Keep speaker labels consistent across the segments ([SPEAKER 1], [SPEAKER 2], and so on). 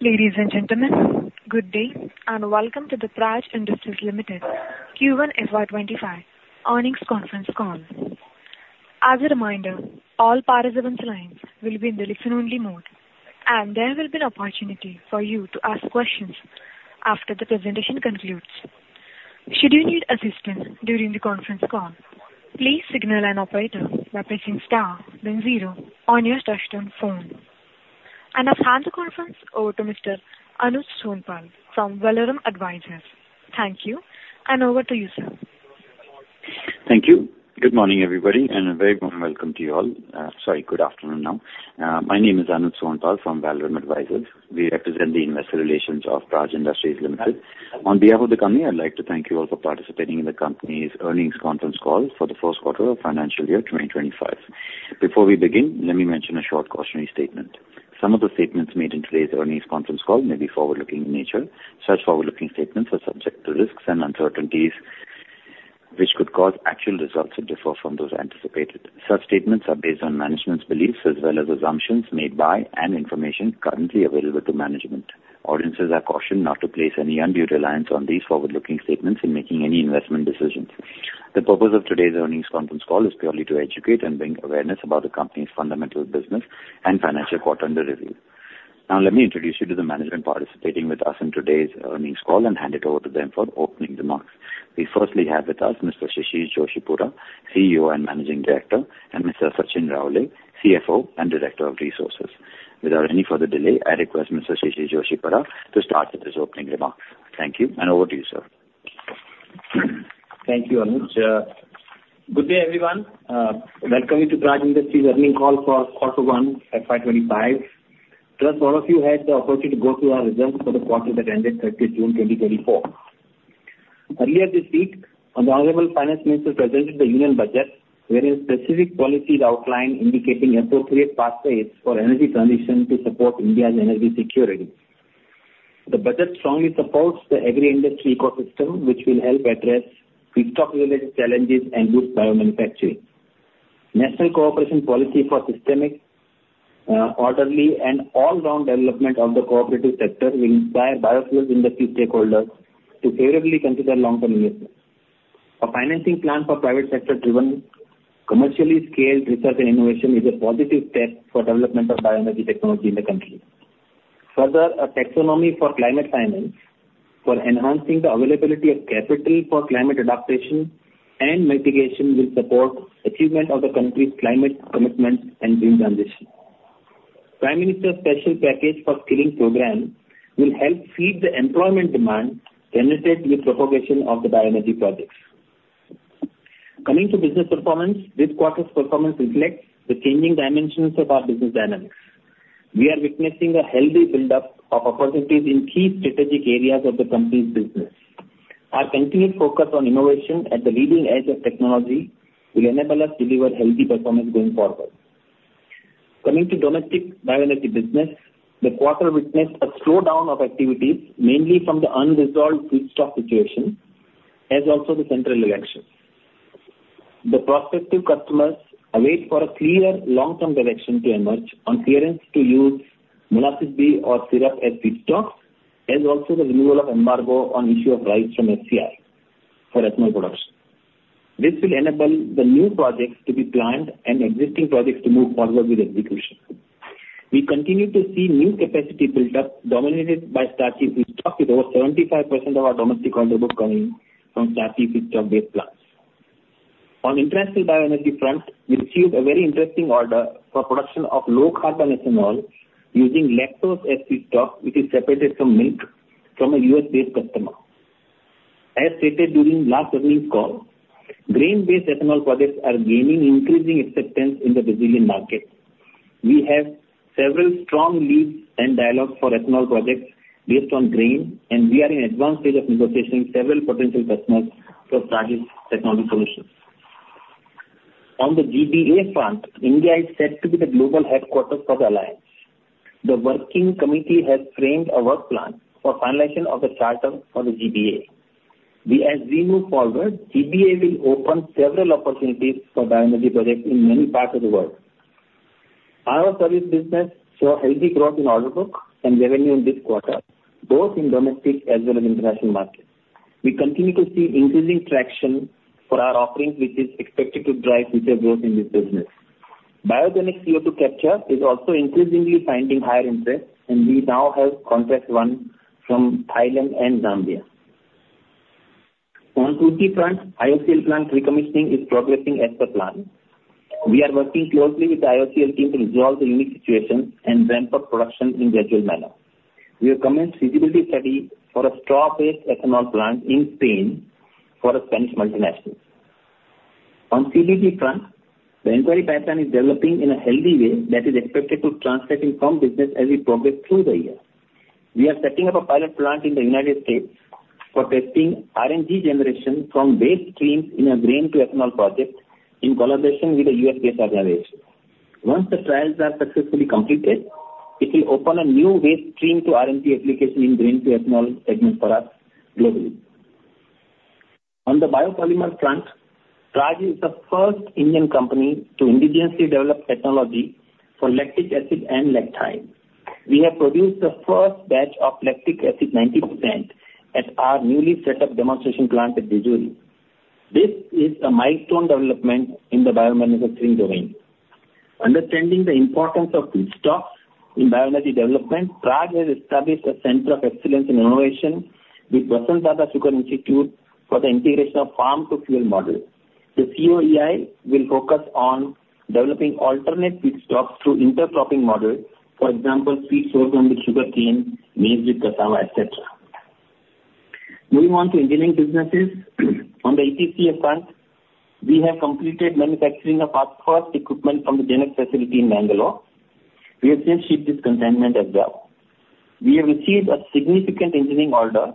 [SPEAKER 1] Ladies and gentlemen, good day, and welcome to the Praj Industries Limited Q1 FY25 earnings conference call. As a reminder, all participants' lines will be in the listen-only mode, and there will be an opportunity for you to ask questions after the presentation concludes. Should you need assistance during the conference call, please signal an operator by pressing star then zero on your touch-tone phone. I've handed the conference over to Mr. Anuj Sonpal from Valorem Advisors. Thank you, and over to you, sir.
[SPEAKER 2] Thank you. Good morning, everybody, and a very warm welcome to you all. Sorry, good afternoon now. My name is Anuj Sonpal from Valorem Advisors. We represent the investor relations of Praj Industries Limited. On behalf of the company, I'd like to thank you all for participating in the company's earnings conference call for the first quarter of financial year 2025. Before we begin, let me mention a short cautionary statement. Some of the statements made in today's earnings conference call may be forward-looking in nature. Such forward-looking statements are subject to risks and uncertainties, which could cause actual results to differ from those anticipated. Such statements are based on management's beliefs as well as assumptions made by and information currently available to management. Audiences are cautioned not to place any undue reliance on these forward-looking statements in making any investment decisions. The purpose of today's earnings conference call is purely to educate and bring awareness about the company's fundamental business and financial quarter under review. Now, let me introduce you to the management participating with us in today's earnings call and hand it over to them for opening remarks. We firstly have with us Mr. Shishir Joshipura, CEO and Managing Director, and Mr. Sachin Raole, CFO and Director of Resources. Without any further delay, I request Mr. Shishir Joshipura to start with his opening remarks. Thank you, and over to you, sir.
[SPEAKER 3] Thank you, Anuj. Good day, everyone. Welcome you to Praj Industries' earnings call for quarter one FY25. Trust all of you had the opportunity to go through our results for the quarter that ended 30th June 2024. Earlier this week, the honorable finance minister presented the Union Budget, wherein specific policies outlined indicating appropriate pathways for energy transition to support India's energy security. The budget strongly supports the agri-industry ecosystem, which will help address feedstock-related challenges and boost bio-manufacturing. National Cooperation Policy for systemic, orderly, and all-round development of the cooperative sector will inspire biofuel industry stakeholders to favorably consider long-term investments. A financing plan for private sector-driven, commercially scaled research and innovation is a positive step for the development of bioenergy technology in the country. Further, a taxonomy for climate finance for enhancing the availability of capital for climate adaptation and mitigation will support the achievement of the country's climate commitment and green transition. Prime Minister's special package for skilling programs will help feed the employment demand generated with the propagation of the bioenergy projects. Coming to business performance, this quarter's performance reflects the changing dimensions of our business dynamics. We are witnessing a healthy buildup of opportunities in key strategic areas of the company's business. Our continued focus on innovation at the leading edge of technology will enable us to deliver healthy performance going forward. Coming to domestic bioenergy business, the quarter witnessed a slowdown of activities, mainly from the unresolved feedstock situation, as also the central elections. The prospective customers await a clear long-term direction to emerge on clearance to use Molasses B or syrup as feedstocks, as also the removal of embargo on the issue of rice from FCI for ethanol production. This will enable the new projects to be planned and existing projects to move forward with execution. We continue to see new capacity buildup, dominated by starchy feedstock, with over 75% of our domestic order book coming from starchy feedstock-based plants. On the international bioenergy front, we received a very interesting order for production of low-carbon ethanol using lactose as feedstock, which is separated from milk from a US-based customer. As stated during last earnings call, grain-based ethanol projects are gaining increasing acceptance in the Brazilian market. We have several strong leads and dialogues for ethanol projects based on grain, and we are in the advanced stage of negotiating several potential customers for starchy technology solutions. On the GBA front, India is set to be the global headquarters for the alliance. The working committee has framed a work plan for the finalization of the charter for the GBA. As we move forward, GBA will open several opportunities for bioenergy projects in many parts of the world. Our service business saw healthy growth in order book and revenue in this quarter, both in domestic as well as international markets. We continue to see increasing traction for our offering, which is expected to drive future growth in this business. Biogenic CO2 capture is also increasingly finding higher interest, and we now have contracts won from Thailand and Zambia. On the 2G front, IOCL plant recommissioning is progressing as per plan. We are working closely with the IOCL team to resolve the unique situation and ramp up production in the agile manner. We have commenced a feasibility study for a straw-based ethanol plant in Spain for a Spanish multinational. On the CBG front, the inquiry pipeline is developing in a healthy way that is expected to translate into some business as we progress through the year. We are setting up a pilot plant in the United States for testing RNG generation from waste streams in a grain-to-ethanol project in collaboration with the US-based organization. Once the trials are successfully completed, it will open a new waste stream-to-RNG application in grain-to-ethanol segment for us globally. On the biopolymer front, Praj is the first Indian company to indigenously develop technology for lactic acid and lactide. We have produced the first batch of lactic acid 90% at our newly set up demonstration plant at Jejuri. This is a milestone development in the bio-manufacturing domain. Understanding the importance of feedstocks in bioenergy development, Praj has established a Center of Excellence in Innovation with Vasantdada Sugar Institute for the integration of farm-to-fuel model. The COEI will focus on developing alternate feedstocks through intercropping models, for example, sweet sorghum with sugarcane, maize with cassava, etc. Moving on to engineering businesses, on the EPCF front, we have completed manufacturing of our first equipment from the GenX facility in Mangalore. We have since shipped this shipment as well. We have received a significant engineering order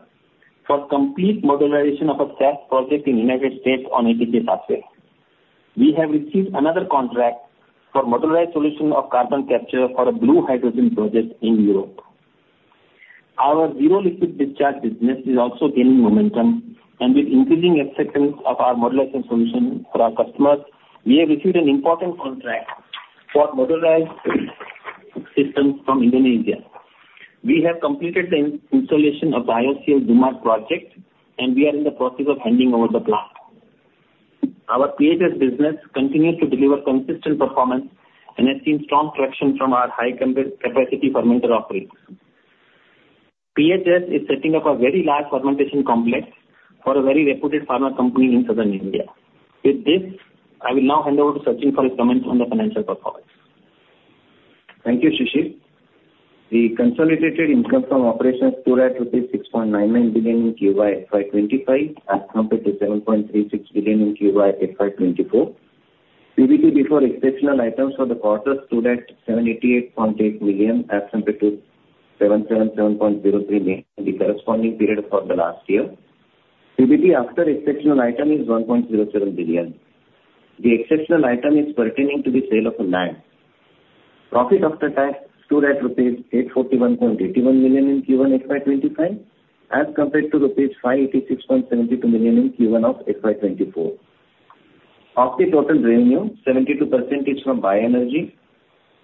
[SPEAKER 3] for complete modularization of a SAF project in the United States on EPCF basis. We have received another contract for modularized solution of carbon capture for a blue hydrogen project in Europe. Our zero liquid discharge business is also gaining momentum, and with increasing acceptance of our modularization solution for our customers, we have received an important contract for modularized systems from Indonesia. We have completed the installation of the IOCL Dumad project, and we are in the process of handing over the plant. Our PHS business continues to deliver consistent performance and has seen strong traction from our high-capacity fermenter operators. PHS is setting up a very large fermentation complex for a very reputed pharma company in southern India. With this, I will now hand over to Sachin for his comments on the financial performance.
[SPEAKER 4] Thank you, Shishir. The consolidated income from operations stood at rupees 6.99 billion in Q1 FY25, as compared to 7.36 billion in Q1 FY24. PBT before exceptional items for the quarter stood at 788.8 million, as compared to 777.03 million in the corresponding period for the last year. PBT after exceptional item is 1.07 billion. The exceptional item is pertaining to the sale of land. Profit after tax stood at rupees 841.81 million in Q1 FY25, as compared to rupees 586.72 million in Q1 FY24. Of the total revenue, 72% is from bioenergy,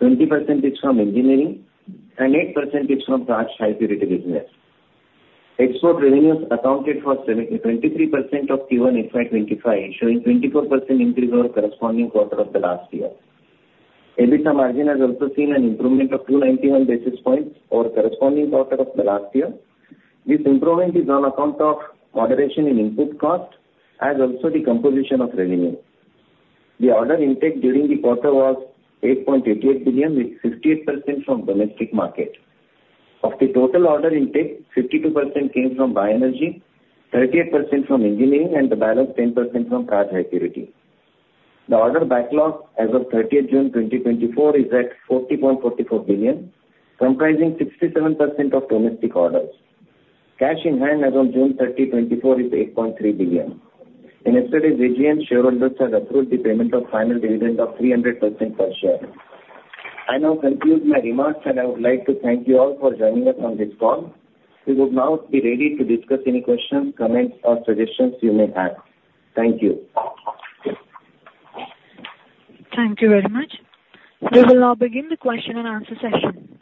[SPEAKER 4] 20% is from engineering, and 8% is from Praj HiPurity business. Export revenues accounted for 23% of Q1 FY25, showing a 24% increase over the corresponding quarter of the last year. EBITDA margin has also seen an improvement of 291 basis points over the corresponding quarter of the last year. This improvement is on account of moderation in input cost, as also decomposition of revenue. The order intake during the quarter was 8.88 billion, with 68% from domestic market. Of the total order intake, 52% came from bioenergy, 38% from engineering, and the balance 10% from Praj HiPurity. The order backlog as of 30th June 2024 is at 40.44 billion, comprising 67% of domestic orders. Cash in hand as of June 30, 2024, is 8.3 billion. Initially, VJ and shareholders had approved the payment of final dividend of 300% per share. I now conclude my remarks, and I would like to thank you all for joining us on this call. We will now be ready to discuss any questions, comments, or suggestions you may have. Thank you.
[SPEAKER 1] Thank you very much. We will now begin the question and answer session.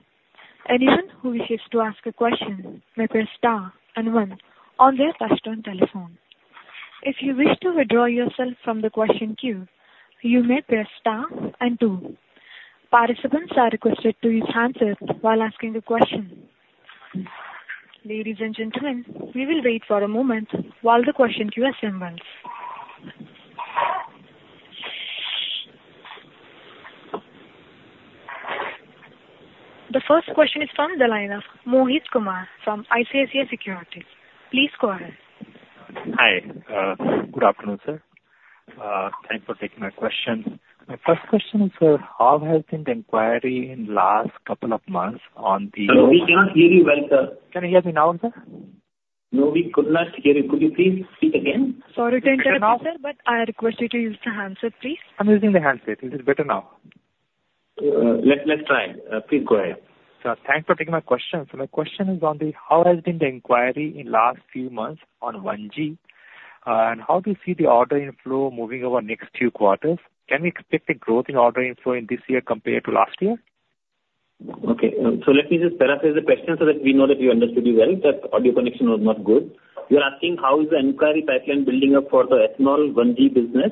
[SPEAKER 1] Anyone who wishes to ask a question may press star and one on their touch-tone telephone. If you wish to withdraw yourself from the question queue, you may press star and two. Participants are requested to use hands up while asking a question. Ladies and gentlemen, we will wait for a moment while the question queue assembles. The first question is from the line of Mohit Kumar from ICICI Securities. Please go ahead.
[SPEAKER 5] Hi, good afternoon, sir. Thanks for taking my question. My first question is, sir, how has the inquiry in the last couple of months on the-
[SPEAKER 3] Hello, we cannot hear you well, sir.
[SPEAKER 5] Can you hear me now, sir?
[SPEAKER 3] No, we could not hear you. Could you please speak again?
[SPEAKER 1] Sorry to interrupt, sir, but I request you to use the hands up, please.
[SPEAKER 5] I'm using the hands up. Is it better now?
[SPEAKER 3] Let's try. Please go ahead.
[SPEAKER 5] Sir, thanks for taking my question. So my question is on the how has the inquiry in the last few months on 1G, and how do you see the order inflow moving over the next few quarters? Can we expect a growth in order inflow in this year compared to last year?
[SPEAKER 3] Okay. So let me just paraphrase the question so that we know that you understood me well, that audio connection was not good. You're asking how is the inquiry pipeline building up for the ethanol 1G business,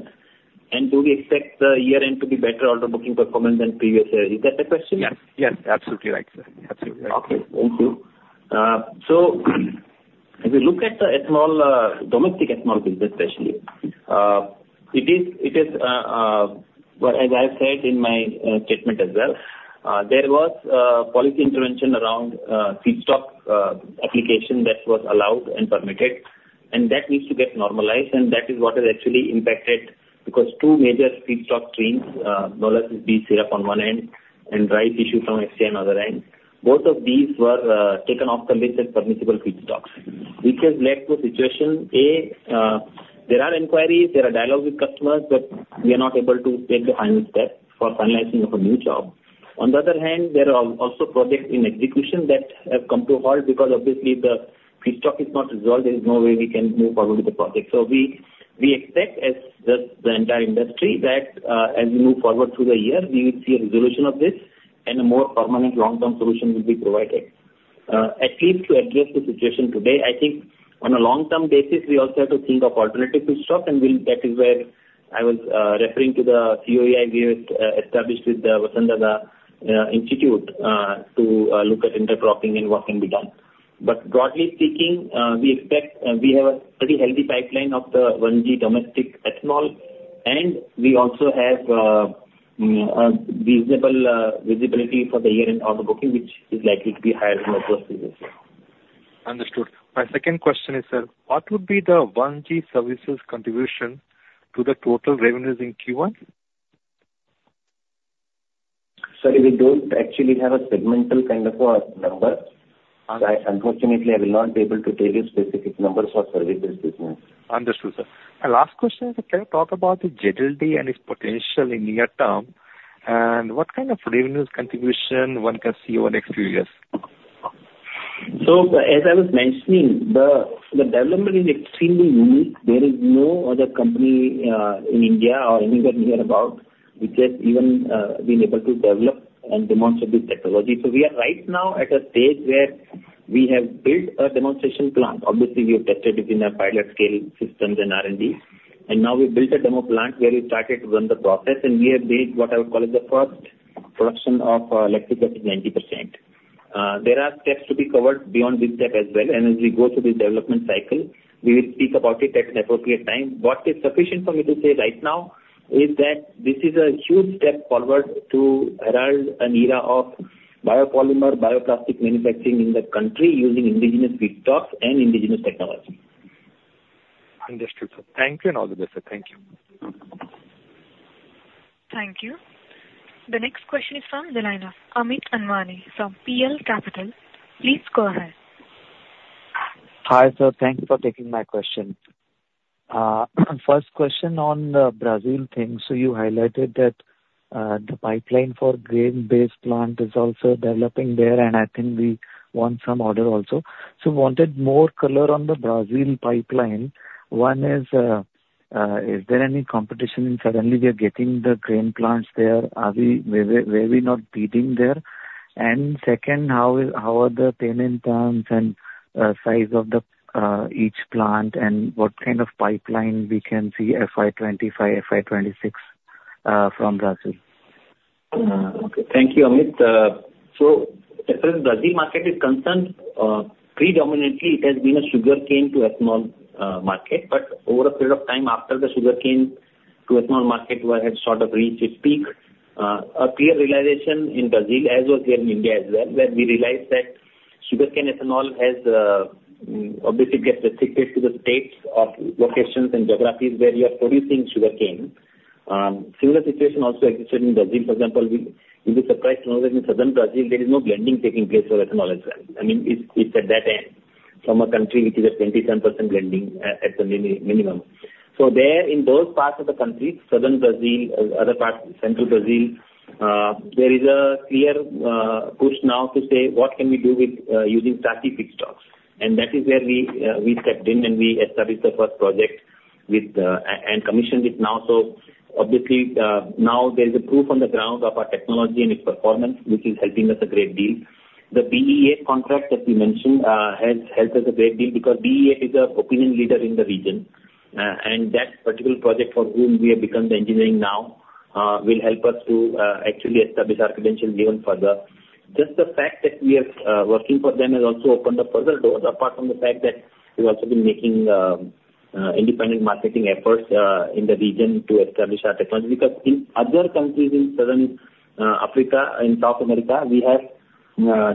[SPEAKER 3] and do we expect the year-end to be better order booking performance than previous year? Is that the question?
[SPEAKER 5] Yes. Yes. Absolutely right, sir. Absolutely right.
[SPEAKER 3] Okay. Thank you. So if you look at the ethanol, domestic ethanol business especially, it is, well, as I've said in my statement as well, there was policy intervention around feedstock application that was allowed and permitted, and that needs to get normalized, and that is what has actually impacted because two major feedstock streams, Molasses B, syrup on one end, and rice issue from FCI on the other end, both of these were taken off the list as permissible feedstocks, which has led to a situation. A, there are inquiries, there are dialogues with customers, but we are not able to take the final step for finalizing of a new job. On the other hand, there are also projects in execution that have come to a halt because, obviously, the feedstock is not resolved. There is no way we can move forward with the project. So we, we expect, as does the entire industry, that, as we move forward through the year, we will see a resolution of this and a more permanent long-term solution will be provided, at least to address the situation today. I think on a long-term basis, we also have to think of alternative feedstock, and we'll, that is where I was referring to the COEI we established with the Vasantdada Sugar Institute, to look at intercropping and what can be done. But broadly speaking, we expect, we have a pretty healthy pipeline of the 1G domestic ethanol, and we also have visible visibility for the year-end order booking, which is likely to be higher than the first few years.
[SPEAKER 5] Understood. My second question is, sir, what would be the 1G services contribution to the total revenues in Q1?
[SPEAKER 3] Sorry, we don't actually have a segmental kind of a number.
[SPEAKER 5] Okay.
[SPEAKER 3] I, unfortunately, will not be able to tell you specific numbers for services business.
[SPEAKER 5] Understood, sir. My last question is, can you talk about the ETCA and its potential in the near term, and what kind of revenue contribution one can see over the next few years?
[SPEAKER 3] So, as I was mentioning, the development is extremely unique. There is no other company, in India or anywhere near about which has even, been able to develop and demonstrate this technology. So we are right now at a stage where we have built a demonstration plant. Obviously, we have tested it in a pilot scale systems and R&D, and now we've built a demo plant where we started to run the process, and we have made what I would call as the first production of, Lactic Acid 90%. There are steps to be covered beyond this step as well, and as we go through this development cycle, we will speak about it at an appropriate time. What is sufficient for me to say right now is that this is a huge step forward to herald an era of biopolymer, bioplastic manufacturing in the country using indigenous feedstocks and indigenous technology.
[SPEAKER 5] Understood, sir. Thank you, and all the best, sir. Thank you.
[SPEAKER 1] Thank you. The next question is from the line of Amit Anwani from PL Capital. Please go ahead.
[SPEAKER 6] Hi, sir. Thank you for taking my question. First question on the Brazil thing. So you highlighted that, the pipeline for grain-based plant is also developing there, and I think we want some order also. So wanted more color on the Brazil pipeline. One is, is there any competition in suddenly we are getting the grain plants there? Are we, where are we not beating there? And second, how is, how are the payment terms and, size of the, each plant and what kind of pipeline we can see FY25, FY26, from Brazil?
[SPEAKER 3] Okay. Thank you, Amit. As the Brazil market is concerned, predominantly it has been a sugarcane to ethanol market, but over a period of time after the sugarcane to ethanol market where it had sort of reached its peak, a clear realization in Brazil as well as here in India as well where we realized that sugarcane ethanol has, obviously gets restricted to the states of locations and geographies where you are producing sugarcane. Similar situation also existed in Brazil. For example, we were surprised to know that in southern Brazil there is no blending taking place for ethanol as well. I mean, it's at that end from a country which is at 27% blending, at the minimum. So there in those parts of the country, southern Brazil, other parts of central Brazil, there is a clear push now to say what can we do with using starchy feedstocks, and that is where we, we stepped in and we established the first project with, and commissioned it now. So obviously, now there is a proof on the ground of our technology and its performance, which is helping us a great deal. The Be8 contract that we mentioned has helped us a great deal because Be8 is the opinion leader in the region, and that particular project for whom we have become the engineering now will help us to actually establish our credentials even further. Just the fact that we have working for them has also opened up further doors apart from the fact that we've also been making independent marketing efforts in the region to establish our technology because in other countries in Southern Africa and South America, we have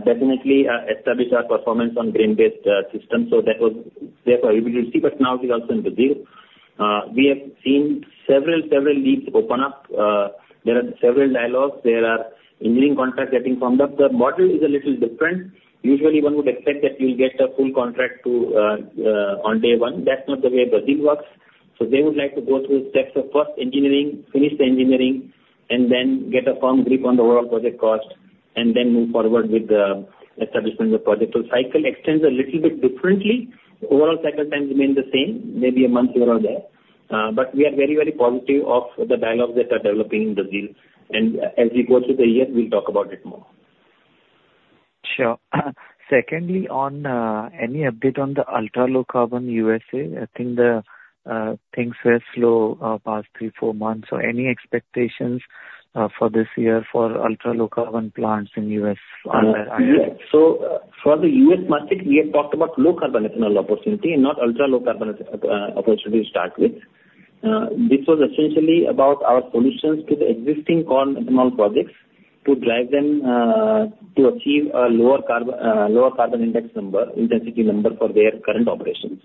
[SPEAKER 3] definitely established our performance on grain-based systems. So that was there for ability to see, but now we're also in Brazil. We have seen several several leads open up. There are several dialogues. There are engineering contracts getting formed up. The model is a little different. Usually, one would expect that you'll get a full contract to on day one. That's not the way Brazil works. So they would like to go through steps of first engineering, finish the engineering, and then get a firm grip on the overall project cost, and then move forward with the establishment of the project. So cycle extends a little bit differently. Overall cycle time remains the same, maybe a month here or there. But we are very, very positive of the dialogues that are developing in Brazil, and as we go through the year, we'll talk about it more.
[SPEAKER 6] Sure. Secondly, any update on the ultra-low carbon U.S.A.? I think things were slow past 3-4 months. So any expectations for this year for ultra-low carbon plants in U.S.?
[SPEAKER 3] Yes. So for the U.S. market, we have talked about low-carbon ethanol opportunity and not ultra-low carbon opportunity to start with. This was essentially about our solutions to the existing corn ethanol projects to drive them, to achieve a lower carbon, lower carbon index number, intensity number for their current operations.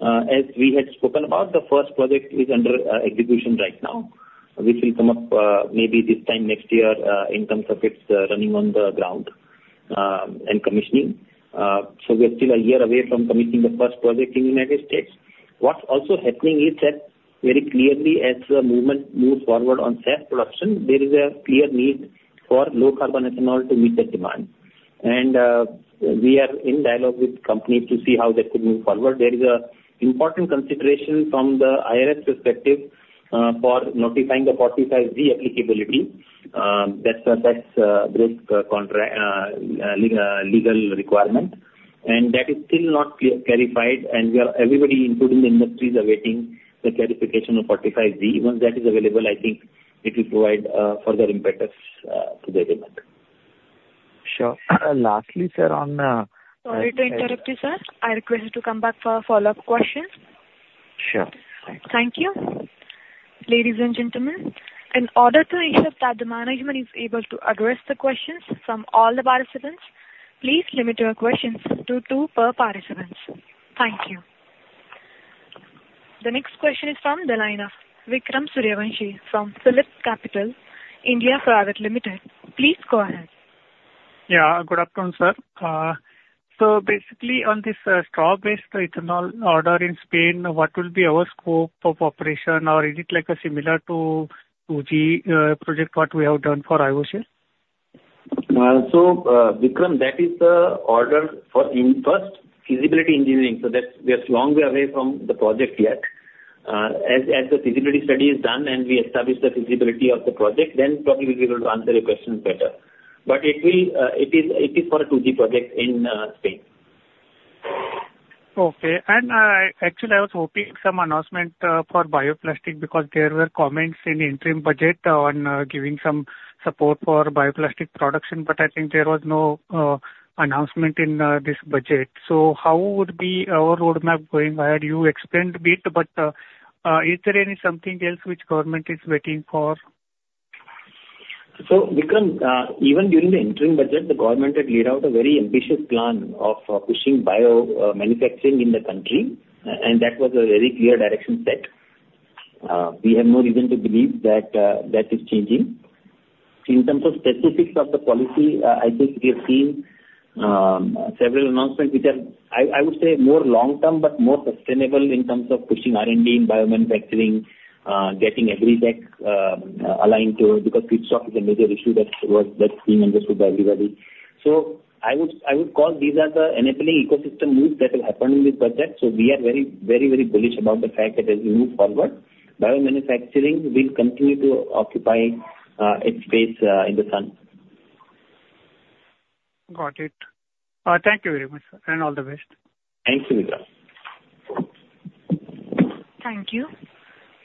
[SPEAKER 3] As we had spoken about, the first project is under execution right now, which will come up maybe this time next year, in terms of its running on the ground and commissioning. So we are still a year away from commissioning the first project in the United States. What's also happening is that very clearly as the movement moves forward on SAF production, there is a clear need for low-carbon ethanol to meet the demand. We are in dialogue with companies to see how that could move forward. There is an important consideration from the IRS perspective, for notifying the 45Z applicability. That's a risk contract, legal requirement, and that is still not clarified, and we are everybody included in the industry is awaiting the clarification of 45Z. Once that is available, I think it will provide further impetus to the agreement.
[SPEAKER 6] Sure. Lastly, sir, on,
[SPEAKER 1] Sorry to interrupt you, sir. I request you to come back for a follow-up question.
[SPEAKER 6] Sure.
[SPEAKER 1] Thank you. Ladies and gentlemen, in order to ensure that the management is able to address the questions from all the participants, please limit your questions to two per participants. Thank you. The next question is from the line of Vikram Suryavanshi from PhillipCapital, India Private Limited. Please go ahead.
[SPEAKER 7] Yeah. Good afternoon, sir. So basically on this straw-based ethanol order in Spain, what will be our scope of operation, or is it like similar to 2G project what we have done for IOCL?
[SPEAKER 3] So, Vikram, that is the order for in first feasibility engineering. So that's we are a long way away from the project yet. As the feasibility study is done and we establish the feasibility of the project, then probably we'll be able to answer your questions better. But it is for a 2G project in Spain.
[SPEAKER 7] Okay. And actually I was hoping some announcement for bioplastic because there were comments in interim budget on giving some support for bioplastic production, but I think there was no announcement in this budget. So how would be our roadmap going ahead? You explained a bit, but is there any something else which government is waiting for?
[SPEAKER 3] So, Vikram, even during the interim budget, the government had laid out a very ambitious plan of pushing bio-manufacturing in the country, and that was a very clear direction set. We have no reason to believe that that is changing. In terms of specifics of the policy, I think we have seen several announcements which are, I, I would say, more long-term but more sustainable in terms of pushing R&D, bio-manufacturing, getting every tech aligned to it because feedstock is a major issue that's being understood by everybody. So I would, I would call these are the enabling ecosystem moves that will happen in this budget. So we are very, very, very bullish about the fact that as we move forward, bio-manufacturing will continue to occupy its place in the sun.
[SPEAKER 7] Got it. Thank you very much, sir, and all the best.
[SPEAKER 3] Thank you, Vikram.
[SPEAKER 1] Thank you.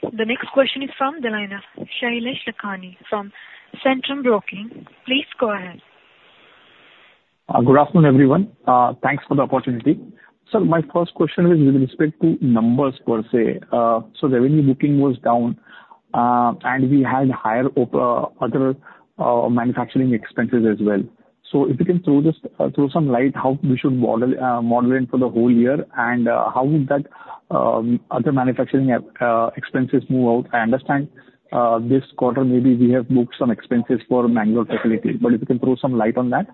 [SPEAKER 1] The next question is from the line of Shailesh Kanani from Centrum Broking. Please go ahead.
[SPEAKER 8] Good afternoon, everyone. Thanks for the opportunity. Sir, my first question is with respect to numbers per se. So revenue booking was down, and we had higher op, other, manufacturing expenses as well. So if you can throw this, throw some light, how we should model, model it for the whole year and, how would that, other manufacturing, expenses move out? I understand, this quarter maybe we have booked some expenses for manual facilities, but if you can throw some light on that.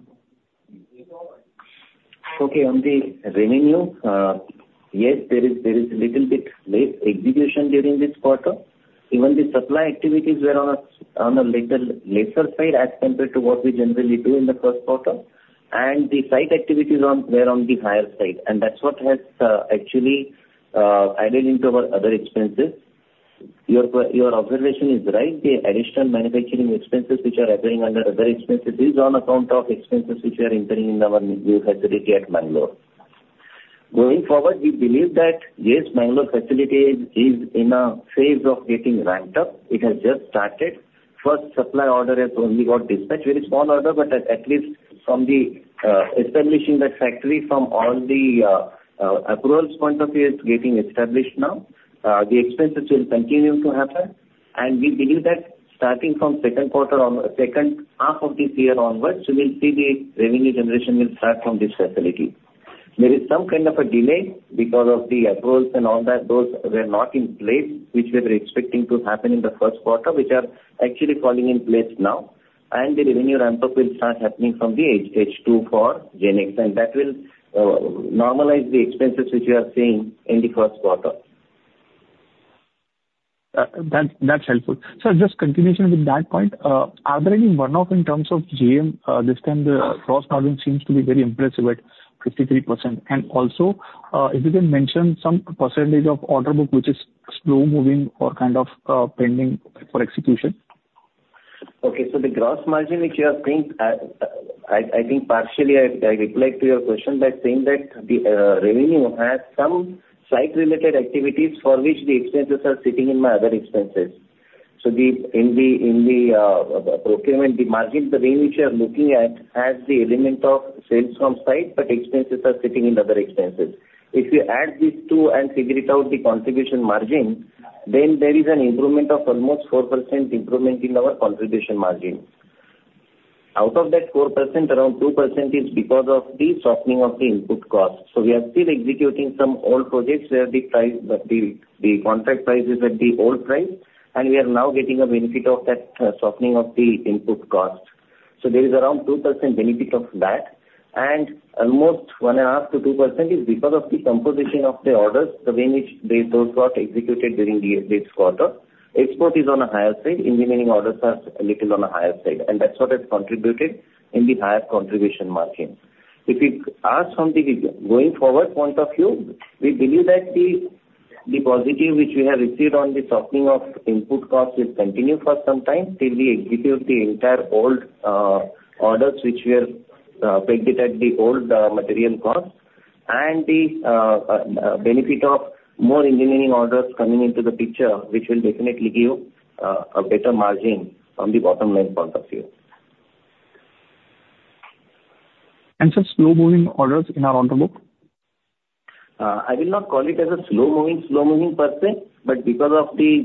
[SPEAKER 3] Okay. On the revenue, yes, there is, there is a little bit late execution during this quarter. Even the supply activities were on a, on a little lesser side as compared to what we generally do in the first quarter, and the site activities were on the higher side, and that's what has, actually, added into our other expenses. Your, your observation is right. The additional manufacturing expenses which are occurring under other expenses is on account of expenses which are entering in our new facility at Mangalore. Going forward, we believe that, yes, Mangalore facility is in a phase of getting ramped up. It has just started. First supply order has only got dispatched, very small order, but at least from the, establishing that factory from all the, approvals point of view, it's getting established now. The expenses will continue to happen, and we believe that starting from second quarter on, second half of this year onwards, we will see the revenue generation will start from this facility. There is some kind of a delay because of the approvals and all that. Those were not in place, which we were expecting to happen in the first quarter, which are actually falling in place now, and the revenue ramp-up will start happening from Q2 for GenX, and that will normalize the expenses which we are seeing in the first quarter.
[SPEAKER 8] That's, that's helpful. Sir, just continuation with that point, are there any one-off in terms of GM? This time the gross margin seems to be very impressive at 53%, and also, if you can mention some percentage of order book which is slow moving or kind of, pending for execution.
[SPEAKER 3] Okay. So the gross margin which you are saying, I think partially I reply to your question by saying that the revenue has some site-related activities for which the expenses are sitting in my other expenses. So in the procurement, the margin, the way which you are looking at has the element of sales from site, but expenses are sitting in other expenses. If you add these two and figure it out, the contribution margin, then there is an improvement of almost 4% in our contribution margin. Out of that 4%, around 2% is because of the softening of the input cost. So we are still executing some old projects where the price, the contract price is at the old price, and we are now getting a benefit of that softening of the input cost. So there is around 2% benefit of that, and almost 1.5%-2% is because of the composition of the orders, the way which those got executed during this quarter. Export is on a higher side. Engineering orders are a little on a higher side, and that's what has contributed in the higher contribution margin. If you ask from the going forward point of view, we believe that the positive which we have received on the softening of input cost will continue for some time till we execute the entire old orders which were predicted at the old material cost, and the benefit of more engineering orders coming into the picture, which will definitely give a better margin from the bottom-line point of view.
[SPEAKER 8] And sir, slow moving orders in our order book?
[SPEAKER 3] I will not call it as a slow moving, slow moving per se, but because of the,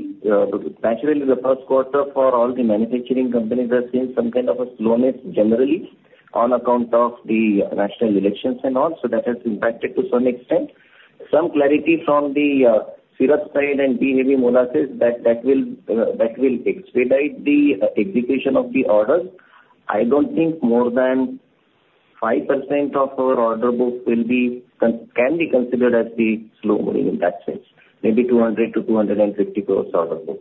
[SPEAKER 3] naturally, the first quarter for all the manufacturing companies has seen some kind of a slowness generally on account of the national elections and all, so that has impacted to some extent. Some clarity from the Syrup side and B-Heavy Molasses says that that will, that will expedite the execution of the orders. I don't think more than 5% of our order book will be can be considered as the slow moving in that sense, maybe 200 crore-250 crore order book.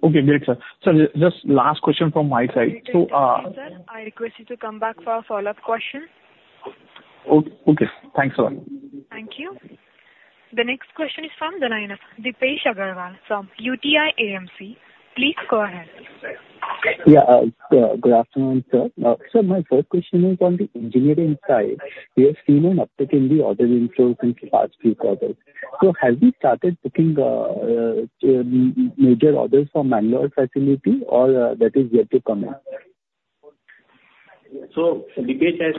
[SPEAKER 8] Okay. Great, sir. Sir, just last question from my side. So,
[SPEAKER 1] Thank you, sir. I request you to come back for a follow-up question.
[SPEAKER 8] Okay. Thanks a lot.
[SPEAKER 1] Thank you. The next question is from the line of Dipesh Agarwal from UTI AMC. Please go ahead.
[SPEAKER 9] Yeah. Good afternoon, sir. Sir, my first question is on the engineering side. We have seen an uptick in the order inflows in the last few quarters. So have we started booking major orders for Mangalore facility, or that is yet to come in? So Dipesh has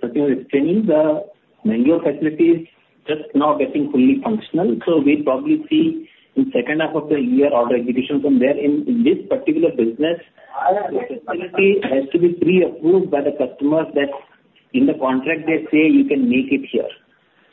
[SPEAKER 9] continued explaining. The Mangalore facility is just now getting fully functional, so we'll probably see in second half of the year order execution from there. In this particular business, the facility has to be pre-approved by the customers that in the contract they say you can make it here.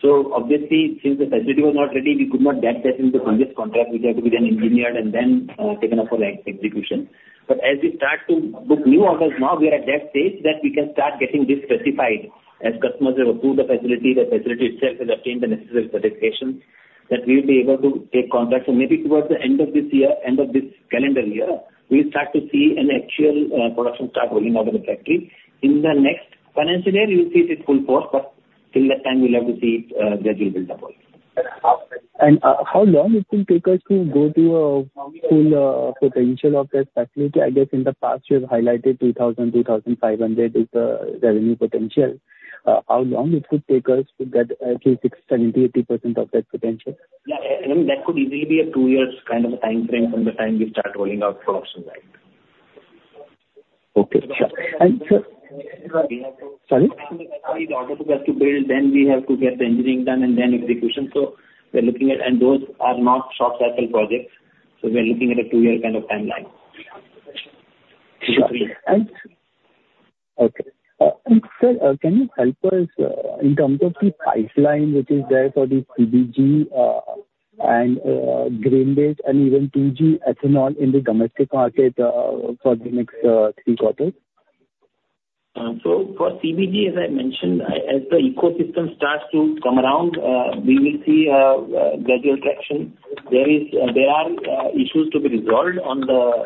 [SPEAKER 9] So obviously, since the facility was not ready, we could not get that in the previous contract. We'd have to get engineered and then take an order execution.
[SPEAKER 3] But as we start to book new orders now, we are at that stage that we can start getting this specified as customers have approved the facility, the facility itself has obtained the necessary certification, that we will be able to take contracts. And maybe towards the end of this year, end of this calendar year, we will start to see an actual production start rolling out of the factory. In the next financial year, you will see it is full force, but till that time, we'll have to see it gradually build up.
[SPEAKER 9] How long it will take us to go to a full, potential of that facility? I guess in the past, you have highlighted 2,000-2,500 is the revenue potential. How long it could take us to get at least 70%-80% of that potential?
[SPEAKER 3] Yeah. I mean, that could easily be a 2-year kind of a time frame from the time we start rolling out production line.
[SPEAKER 9] Okay. And sir, sorry?
[SPEAKER 3] We have to build, then we have to get the engineering done, and then execution. So we're looking at, and those are not short-cycle projects, so we're looking at a 2-year kind of timeline.
[SPEAKER 9] Okay. Sir, can you help us in terms of the pipeline which is there for the CBG, grain-based and even 2G ethanol in the domestic market, for the next three quarters?
[SPEAKER 3] So for CBG, as I mentioned, as the ecosystem starts to come around, we will see gradual traction. There are issues to be resolved on the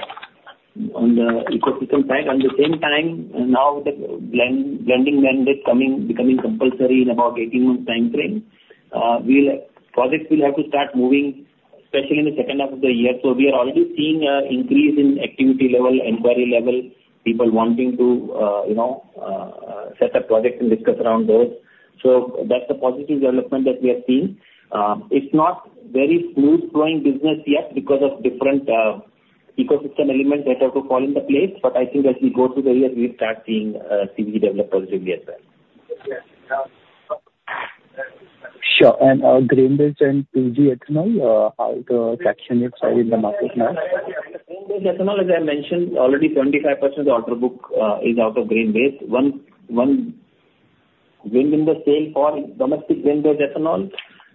[SPEAKER 3] ecosystem side. At the same time, now the blending mandate coming, becoming compulsory in about 18 months' time frame, we'll, projects will have to start moving, especially in the second half of the year. So we are already seeing an increase in activity level, inquiry level, people wanting to, you know, set up projects and discuss around those. So that's the positive development that we have seen. It's not very smooth-flowing business yet because of different ecosystem elements that have to fall into place, but I think as we go through the years, we'll start seeing CBG develop positively as well.
[SPEAKER 9] Sure. And, grain-based and 2G ethanol, how the traction is in the market now?
[SPEAKER 3] Grain-based ethanol, as I mentioned, already 75% of the order book is out of grain-based. One wind in the sails for domestic grain-based ethanol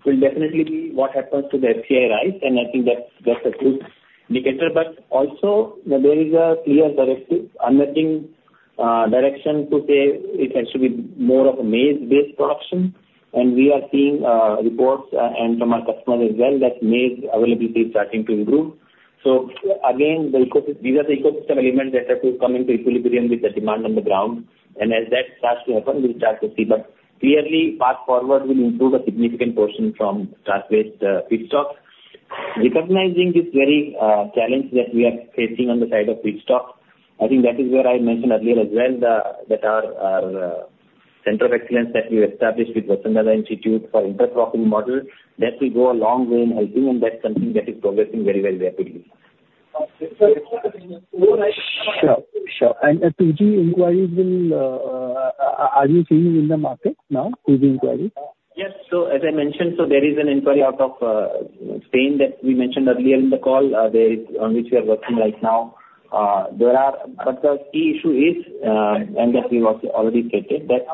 [SPEAKER 3] will definitely be what happens to the FCI rice, and I think that's a good indicator. But also, there is a clear directive, unwavering direction to say it has to be more of a maize-based production, and we are seeing reports and from our customers as well that maize availability is starting to improve. So again, the ecosystem, these are the ecosystem elements that have to come into equilibrium with the demand on the ground, and as that starts to happen, we'll start to see. But clearly, fast forward will improve a significant portion from grain-based feedstock. Recognizing this very challenge that we are facing on the side of feedstock, I think that is where I mentioned earlier as well, that our Center of Excellence that we established with Vasantdada Institute for inter-process model will go a long way in helping, and that's something that is progressing very, very rapidly.
[SPEAKER 9] Sure. Sure. 2G inquiries, are you seeing in the market now, 2G inquiries?
[SPEAKER 3] Yes. So as I mentioned, there is an inquiry out of Spain that we mentioned earlier in the call, on which we are working right now. There are, but the key issue is, and that we was already stated, that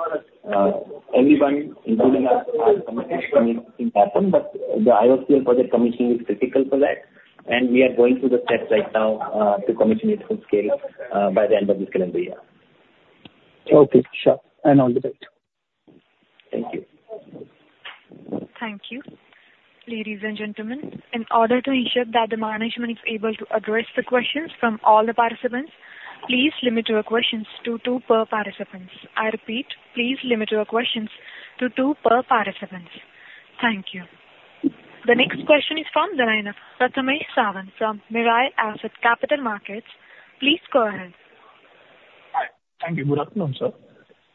[SPEAKER 3] everyone, including us, are commissioning happen, but the IOCL project commissioning is critical for that, and we are going through the steps right now to commission it full scale by the end of this calendar year.
[SPEAKER 9] Okay. Sure. And all the best.
[SPEAKER 3] Thank you.
[SPEAKER 1] Thank you. Ladies and gentlemen, in order to ensure that the management is able to address the questions from all the participants, please limit your questions to two per participant. I repeat, please limit your questions to two per participant. Thank you. The next question is from the line of Prathamesh Sawant from Mirae Asset Capital Markets. Please go ahead.
[SPEAKER 10] Thank you. Good afternoon, sir.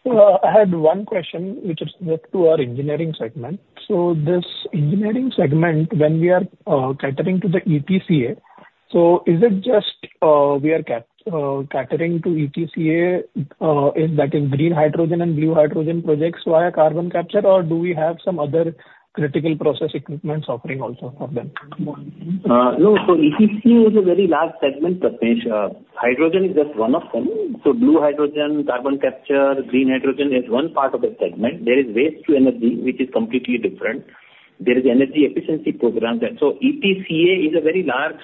[SPEAKER 10] I had one question which is related to our engineering segment. This engineering segment, when we are catering to the ETCA, so is it just we are catering to ETCA, is that in green hydrogen and blue hydrogen projects, so including carbon capture, or do we have some other critical process equipment offering also for them?
[SPEAKER 3] No. So ETCA is a very large segment, Prathamesh. Hydrogen is just one of them. So blue hydrogen, carbon capture, green hydrogen is one part of the segment. There is waste-to-energy, which is completely different. There is energy efficiency program that, so ETCA is a very large,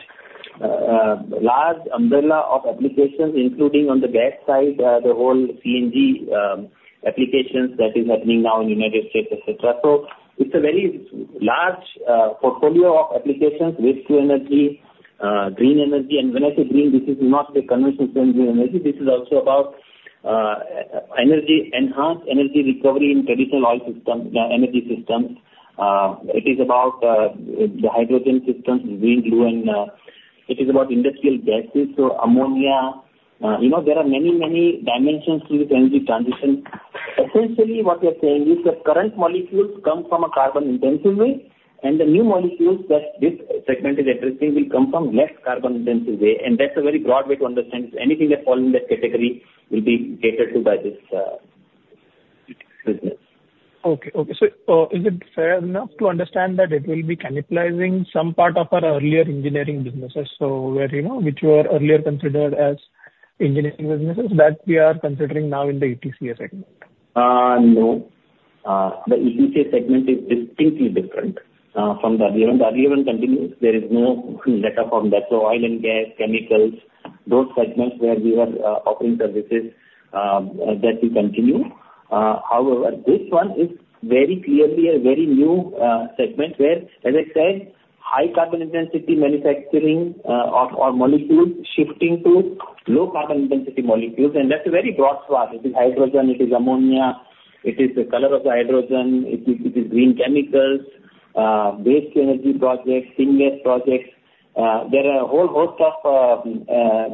[SPEAKER 3] large umbrella of applications, including on the gas side, the whole CNG applications that is happening now in the United States, etc. So it's a very large portfolio of applications: waste-to-energy, green energy. And when I say green, this is not the conventional green energy. This is also about energy enhanced energy recovery in traditional oil systems, energy systems. It is about the hydrogen systems, green, blue, and it is about industrial gases, so ammonia. You know, there are many, many dimensions to this energy transition. Essentially, what we are saying is the current molecules come from a carbon-intensive way, and the new molecules that this segment is addressing will come from less carbon-intensive way. And that's a very broad way to understand. If anything has fallen in that category, it will be catered to by this business.
[SPEAKER 10] Okay. Okay. So, is it fair enough to understand that it will be cannibalizing some part of our earlier engineering businesses, so where, you know, which were earlier considered as engineering businesses that we are considering now in the ETCA segment?
[SPEAKER 3] No, the ETCA segment is distinctly different from the earlier. The earlier one continues, there is no letter from that. So oil and gas, chemicals, those segments where we were offering services, that will continue. However, this one is very clearly a very new segment where, as I said, high carbon-intensity manufacturing of our molecules shifting to low carbon-intensity molecules. And that's a very broad swath. It is hydrogen, it is ammonia, it is the color of the hydrogen, it is green chemicals, waste-to-energy projects, thin-gas projects. There are a whole host of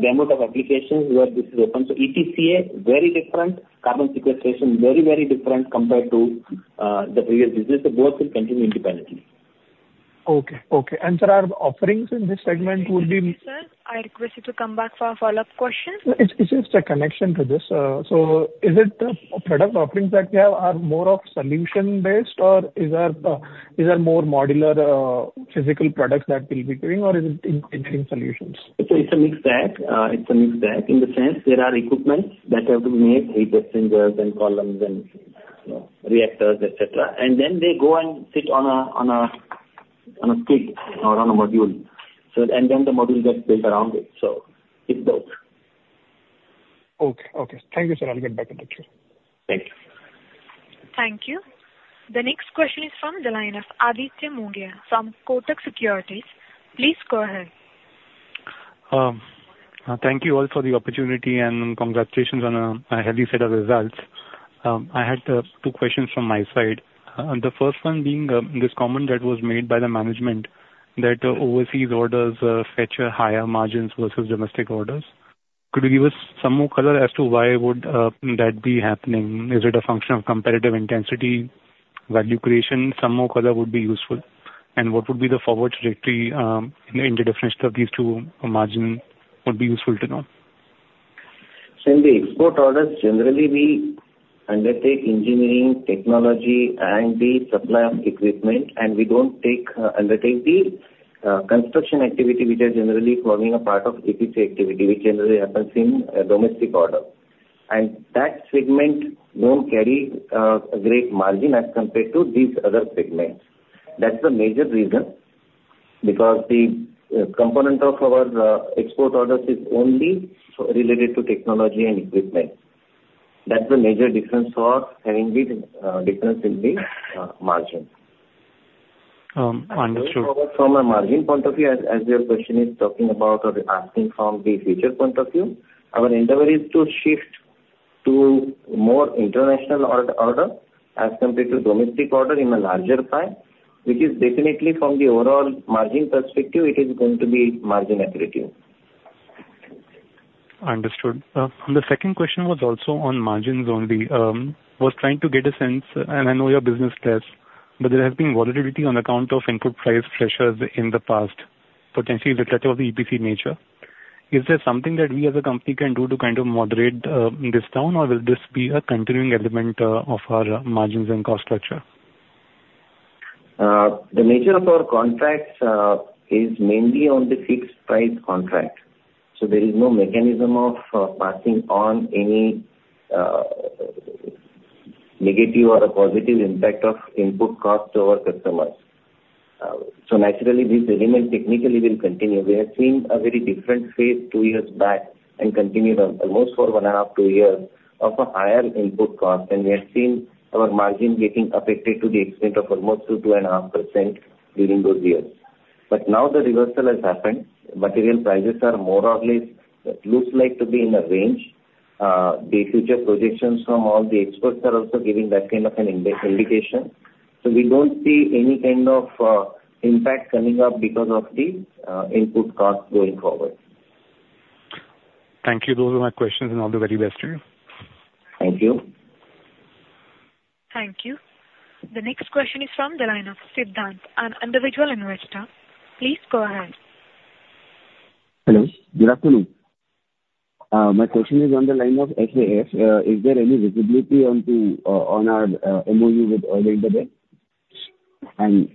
[SPEAKER 3] gamut of applications where this is open. So ETCA, very different. Carbon sequestration, very, very different compared to the previous business. So both will continue independently.
[SPEAKER 10] Okay. Okay. And sir, are the offerings in this segment would be?
[SPEAKER 1] Thank you, sir. I request you to come back for a follow-up question.
[SPEAKER 10] It's just a connection to this. Is it the product offerings that we have are more of solution-based, or is there more modular, physical products that we'll be doing, or is it engineering solutions?
[SPEAKER 3] It's a mixed bag. It's a mixed bag in the sense there are equipment that have to be made, heat exchangers and columns and, you know, reactors, etc. And then they go and sit on a kit, or on a module. So, and then the module gets built around it. So it's both.
[SPEAKER 11] Okay. Okay. Thank you, sir. I'll get back in touch with you.
[SPEAKER 3] Thank you.
[SPEAKER 1] Thank you. The next question is from the line of Aditya Mongia from Kotak Securities. Please go ahead.
[SPEAKER 12] Thank you all for the opportunity and congratulations on a healthy set of results. I had two questions from my side. The first one being this comment that was made by the management that overseas orders fetch higher margins versus domestic orders. Could you give us some more color as to why that would be happening? Is it a function of competitive intensity, value creation? Some more color would be useful. And what would be the forward trajectory? In the definition of these two margins would be useful to know.
[SPEAKER 3] Sir, the export orders generally we undertake engineering, technology, and the supply of equipment, and we don't undertake the construction activity which are generally forming a part of ETCA activity, which generally happens in domestic orders. And that segment don't carry a great margin as compared to these other segments. That's the major reason because the component of our export orders is only related to technology and equipment. That's the major difference for having been difference in the margin.
[SPEAKER 12] understood.
[SPEAKER 3] From a margin point of view, as your question is talking about or asking from the future point of view, our endeavor is to shift to more international order as compared to domestic order in a larger pie, which is definitely from the overall margin perspective, it is going to be margin equity.
[SPEAKER 12] Understood. The second question was also on margins only. I was trying to get a sense, and I know your business does, but there has been volatility on account of input price pressures in the past, potentially reflective of the EPC nature. Is there something that we as a company can do to kind of moderate this down, or will this be a continuing element of our margins and cost structure?
[SPEAKER 3] The nature of our contracts is mainly on the fixed-price contract. So there is no mechanism of passing on any negative or a positive impact of input cost to our customers. So naturally, this element technically will continue. We have seen a very different phase 2 years back and continued almost for 1.5-2 years of a higher input cost, and we have seen our margin getting affected to the extent of almost 2-2.5% during those years. But now the reversal has happened. Material prices are more or less, looks like to be in a range. The future projections from all the experts are also giving that kind of an indication. So we don't see any kind of impact coming up because of the input cost going forward.
[SPEAKER 12] Thank you. Those were my questions, and all the very best to you.
[SPEAKER 3] Thank you.
[SPEAKER 1] Thank you. The next question is from the line of Siddhant, an individual investor. Please go ahead.
[SPEAKER 13] Hello. Good afternoon. My question is on the line of Shishir. Is there any visibility on our MOU with Oil and Gas? And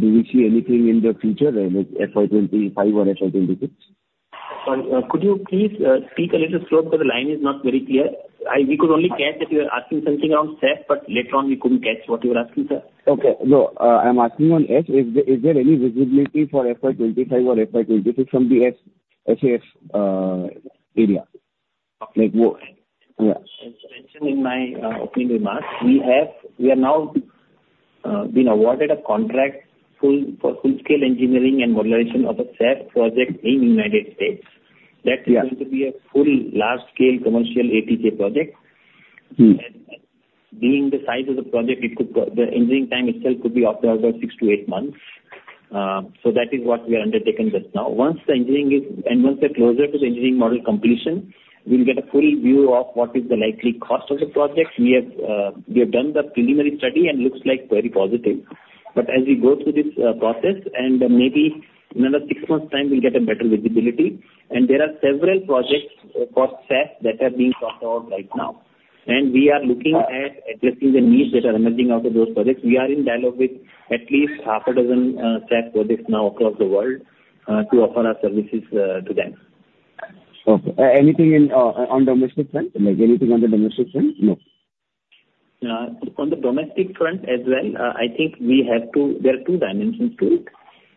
[SPEAKER 13] do we see anything in the future, like FY25 or FY26?
[SPEAKER 3] Sorry, could you please speak a little slower because the line is not very clear? I, we could only catch that you were asking something around SAF, but later on we couldn't catch what you were asking, sir.
[SPEAKER 13] Okay. No, I'm asking on SAF, is there any visibility for FY25 or FY26 from the SAF, this area?
[SPEAKER 3] Okay.
[SPEAKER 4] Like what, yeah.
[SPEAKER 3] As mentioned in my opening remarks, we are now being awarded a contract for full-scale engineering and modularization of a SAF project in the United States. That is going to be a full, large-scale commercial ETCA project. And being the size of the project, it could, the engineering time itself could be up there over 6-8 months. So that is what we are undertaking just now. Once the engineering is, and once we're closer to the engineering model completion, we'll get a full view of what is the likely cost of the project. We have done the preliminary study, and it looks very positive. But as we go through this process, and maybe another 6 months' time, we'll get a better visibility. And there are several projects for SAF that are being talked about right now. We are looking at addressing the needs that are emerging out of those projects. We are in dialogue with at least half a dozen SAF projects now across the world, to offer our services, to them.
[SPEAKER 13] Okay. Anything in, on domestic front? Like anything on the domestic front? No.
[SPEAKER 3] On the domestic front as well, I think we have to, there are two dimensions to it.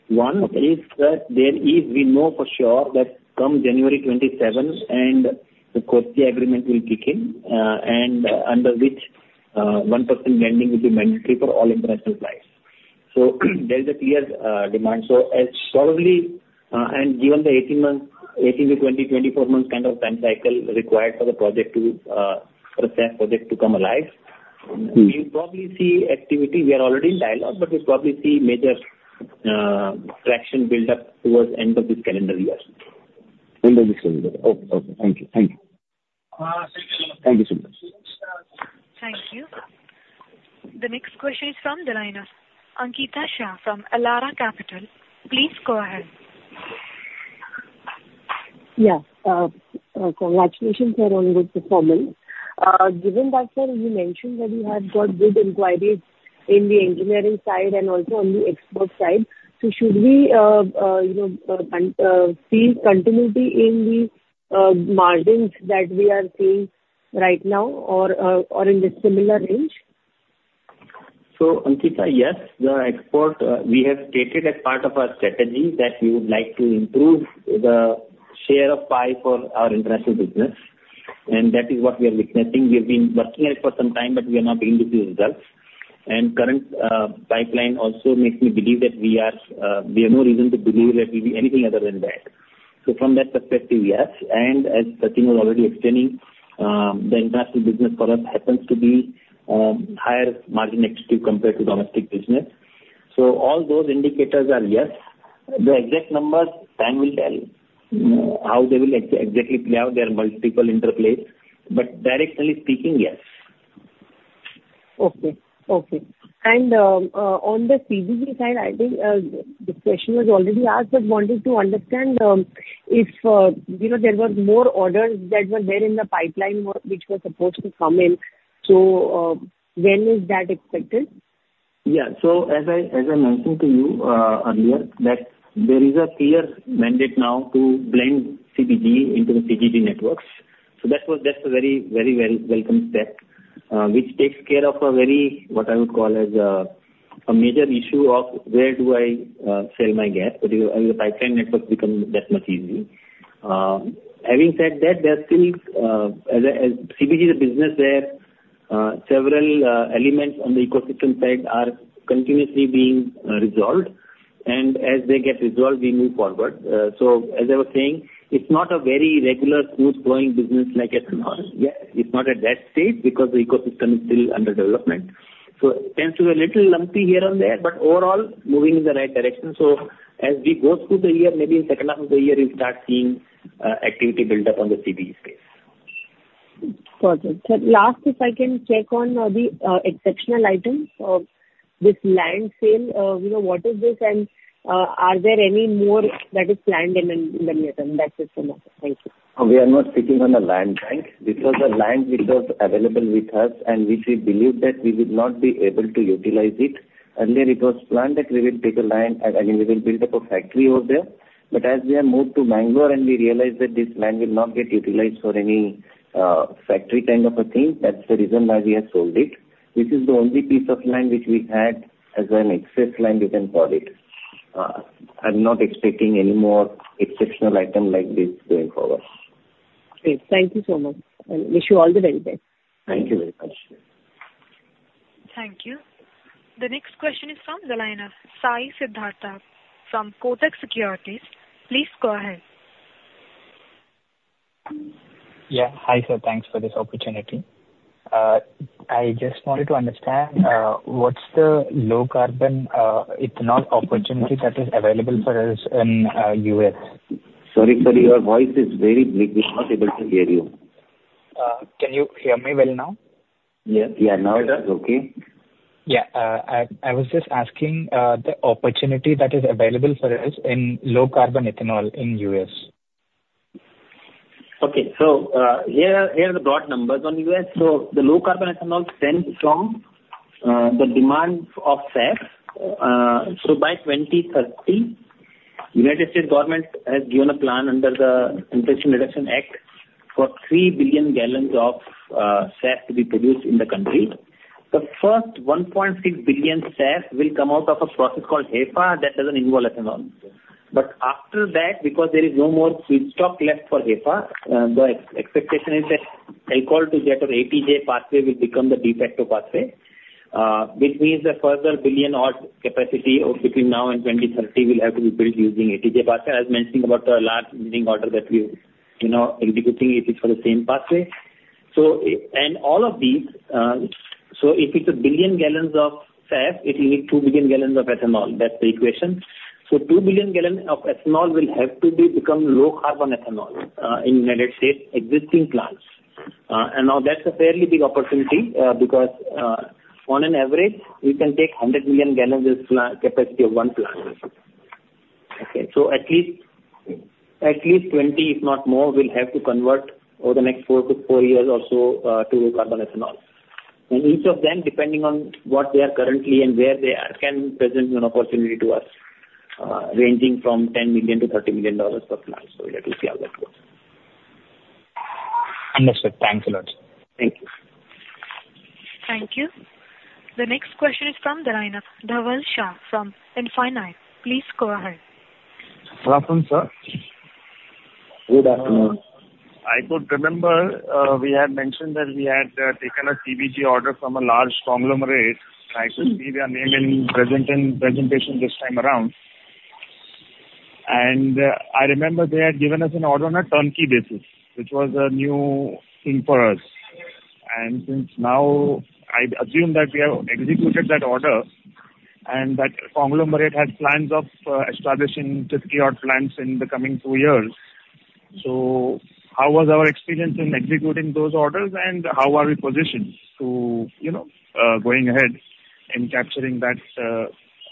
[SPEAKER 3] One is that there is, we know for sure that come January 2027, and the CORSIA agreement will kick in, and under which, 1% blending will be mandatory for all international clients. So there is a clear demand. So as probably, and given the 18 months, 18-20, 24 months kind of time cycle required for the project to, for the SAF project to come alive, we'll probably see activity. We are already in dialogue, but we'll probably see major traction build-up towards the end of this calendar year.
[SPEAKER 13] End of this calendar. Oh, okay. Thank you. Thank you.
[SPEAKER 3] Thank you so much.
[SPEAKER 1] Thank you. The next question is from the line of Ankita Shah from Elara Capital. Please go ahead.
[SPEAKER 11] Yeah. Congratulations, sir, on your performance. Given that, sir, you mentioned that you have got good inquiries in the engineering side and also on the export side. So should we, you know, see continuity in the margins that we are seeing right now, or in the similar range?
[SPEAKER 3] So Ankita, yes. The export, we have stated as part of our strategy that we would like to improve the share of pie for our international business. That is what we are witnessing. We have been working at it for some time, but we are now beginning to see results. Current pipeline also makes me believe that we are, we have no reason to believe that we'll be anything other than that. So from that perspective, yes. As Prathamesh was already explaining, the international business for us happens to be, higher margin equity compared to domestic business. So all those indicators are yes. The exact numbers, time will tell, how they will ex-exactly play out. There are multiple interplays. Directionally speaking, yes.
[SPEAKER 11] Okay. Okay. And on the CBG side, I think the question was already asked, but wanted to understand if, you know, there were more orders that were there in the pipeline which were supposed to come in. So, when is that expected?
[SPEAKER 3] Yeah. So as I, as I mentioned to you earlier, that there is a clear mandate now to blend CBG into the CNG networks. So that was, that's a very, very welcome step, which takes care of a very, what I would call as, a major issue of where do I sell my gas? But the, the pipeline network becomes that much easier. Having said that, there are still, as a, as CBG is a business where several elements on the ecosystem side are continuously being resolved. And as they get resolved, we move forward. So as I was saying, it's not a very regular, smooth-flowing business like it's now. Yes, it's not at that stage because the ecosystem is still under development. So it tends to be a little lumpy here and there, but overall, moving in the right direction. So as we go through the year, maybe in the second half of the year, we'll start seeing activity build-up on the CBG space.
[SPEAKER 11] Perfect. Sir, last, if I can check on the exceptional items, this land sale, you know, what is this, and are there any more that is planned in the near term? That's it for now. Thank you.
[SPEAKER 3] We are not speaking on the land, right? This was a land which was available with us, and which we believed that we would not be able to utilize it. Earlier, it was planned that we will take a land, and, and we will build up a factory over there. But as we have moved to Mangalore, and we realized that this land will not get utilized for any, factory kind of a thing, that's the reason why we have sold it. This is the only piece of land which we had as an excess land, we can call it. I'm not expecting any more exceptional item like this going forward.
[SPEAKER 11] Great. Thank you so much. Wish you all the very best.
[SPEAKER 3] Thank you very much.
[SPEAKER 1] Thank you. The next question is from the line of Sai Siddhartha from Kotak Securities. Please go ahead.
[SPEAKER 14] Yeah. Hi, sir. Thanks for this opportunity. I just wanted to understand, what's the low-carbon, ethanol opportunity that is available for us in, U.S.?
[SPEAKER 3] Sorry, sir, your voice is very weak. We're not able to hear you.
[SPEAKER 14] Can you hear me well now?
[SPEAKER 3] Yes. Yeah, now it's okay.
[SPEAKER 14] Yeah. I was just asking, the opportunity that is available for us in low-carbon ethanol in the U.S.
[SPEAKER 3] Okay. So, here are the broad numbers on the US. So the low-carbon ethanol demand from the demand of SAF. So by 2030, the United States government has given a plan under the Inflation Reduction Act for 3 billion gallons of SAF to be produced in the country. The first 1.6 billion SAF will come out of a process called HEFA that doesn't involve ethanol. But after that, because there is no more feedstock left for HEFA, the expectation is that alcohol-to-jet or ATJ pathway will become the de facto pathway, which means a further billion-odd capacity between now and 2030 will have to be built using ATJ pathway, as mentioned about the large engineering order that we're, you know, executing, which is for the same pathway. So, and all of these, so if it's a billion gallons of SAF, it'll be 2 billion gallons of ethanol. That's the equation. So 2 billion gallons of ethanol will have to become low-carbon ethanol, in the United States' existing plants. And now that's a fairly big opportunity, because, on an average, we can take 100 million gallons as a capacity of one plant. Okay. So at least, at least 20, if not more, will have to convert over the next 4 to 4 years or so, to low-carbon ethanol. And each of them, depending on what they are currently and where they are, can present an opportunity to us, ranging from $10 million-$30 million per plant. So we'll have to see how that goes.
[SPEAKER 14] Understood. Thanks a lot.
[SPEAKER 3] Thank you.
[SPEAKER 1] Thank you. The next question is from the line of Dhaval Shah from Infinite. Please go ahead.
[SPEAKER 15] Welcome, sir.
[SPEAKER 3] Good afternoon.
[SPEAKER 15] I recall, we had mentioned that we had taken a CBG order from a large conglomerate. I could see their name is present in the presentation this time around. I remember they had given us an order on a turnkey basis, which was a new thing for us. Now, I'd assume that we have executed that order and that conglomerate has plans of establishing 50-odd plants in the coming two years. So how was our experience in executing those orders, and how are we positioned to, you know, going ahead in capturing that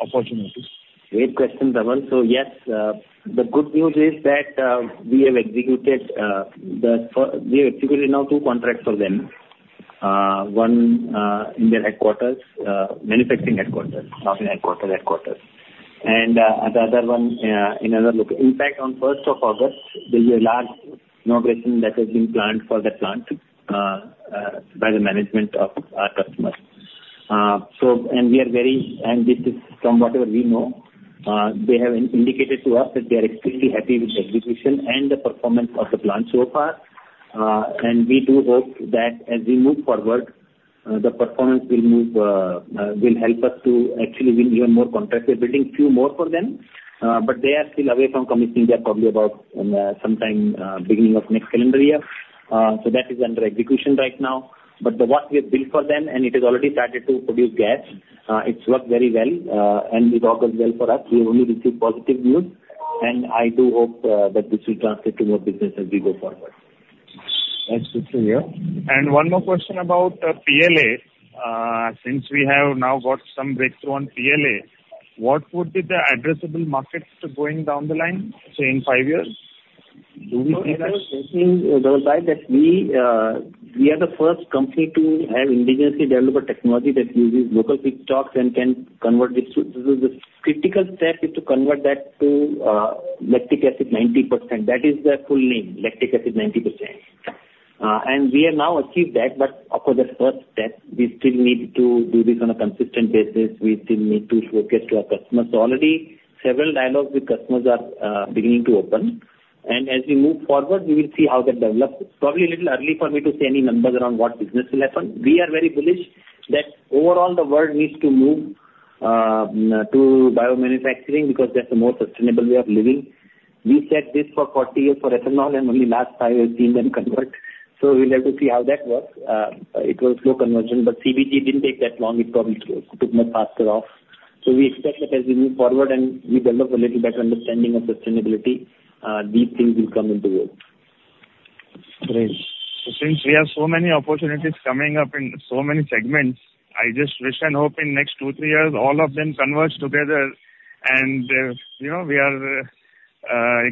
[SPEAKER 15] opportunity?
[SPEAKER 3] Great question, Dhaval. So yes, the good news is that, we have executed now two contracts for them. One, in their headquarters, manufacturing headquarters, not in headquarters, headquarters. And, the other one, in another location. In fact, on 1st of August, there's a large inauguration that has been planned for the plant, by the management of our customers. So, and we are very, and this is from whatever we know, they have indicated to us that they are extremely happy with the execution and the performance of the plant so far. And we do hope that as we move forward, the performance will move, will help us to actually win even more contracts. We're building a few more for them, but they are still away from commissioning. They're probably about, sometime, beginning of next calendar year. So that is under execution right now. But the work we have built for them, and it has already started to produce gas. It's worked very well, and it's all good, well, for us. We have only received positive news. And I do hope that this will translate to more business as we go forward.
[SPEAKER 15] Thanks for sharing. And one more question about PLA. Since we have now got some breakthrough on PLA, what would be the addressable markets going down the line, say, in five years? Do we see that?
[SPEAKER 3] I think, Dhaval, that we, we are the first company to have indigenously developed a technology that uses local feedstocks and can convert this to, this is the critical step is to convert that to, lactic acid 90%. That is the full name, lactic acid 90%. And we have now achieved that, but of course, that's first step. We still need to do this on a consistent basis. We still need to showcase to our customers. So already, several dialogues with customers are, beginning to open. And as we move forward, we will see how that develops. It's probably a little early for me to say any numbers around what business will happen. We are very bullish that overall the world needs to move, to biomanufacturing because that's a more sustainable way of living. We said this for 40 years for ethanol, and only last time we've seen them convert. So we'll have to see how that works. It was slow conversion, but CBG didn't take that long. It probably took much faster off. So we expect that as we move forward and we develop a little better understanding of sustainability, these things will come into work.
[SPEAKER 15] Great. So since we have so many opportunities coming up in so many segments, I just wish and hope in the next 2-3 years, all of them converge together. And, you know, we are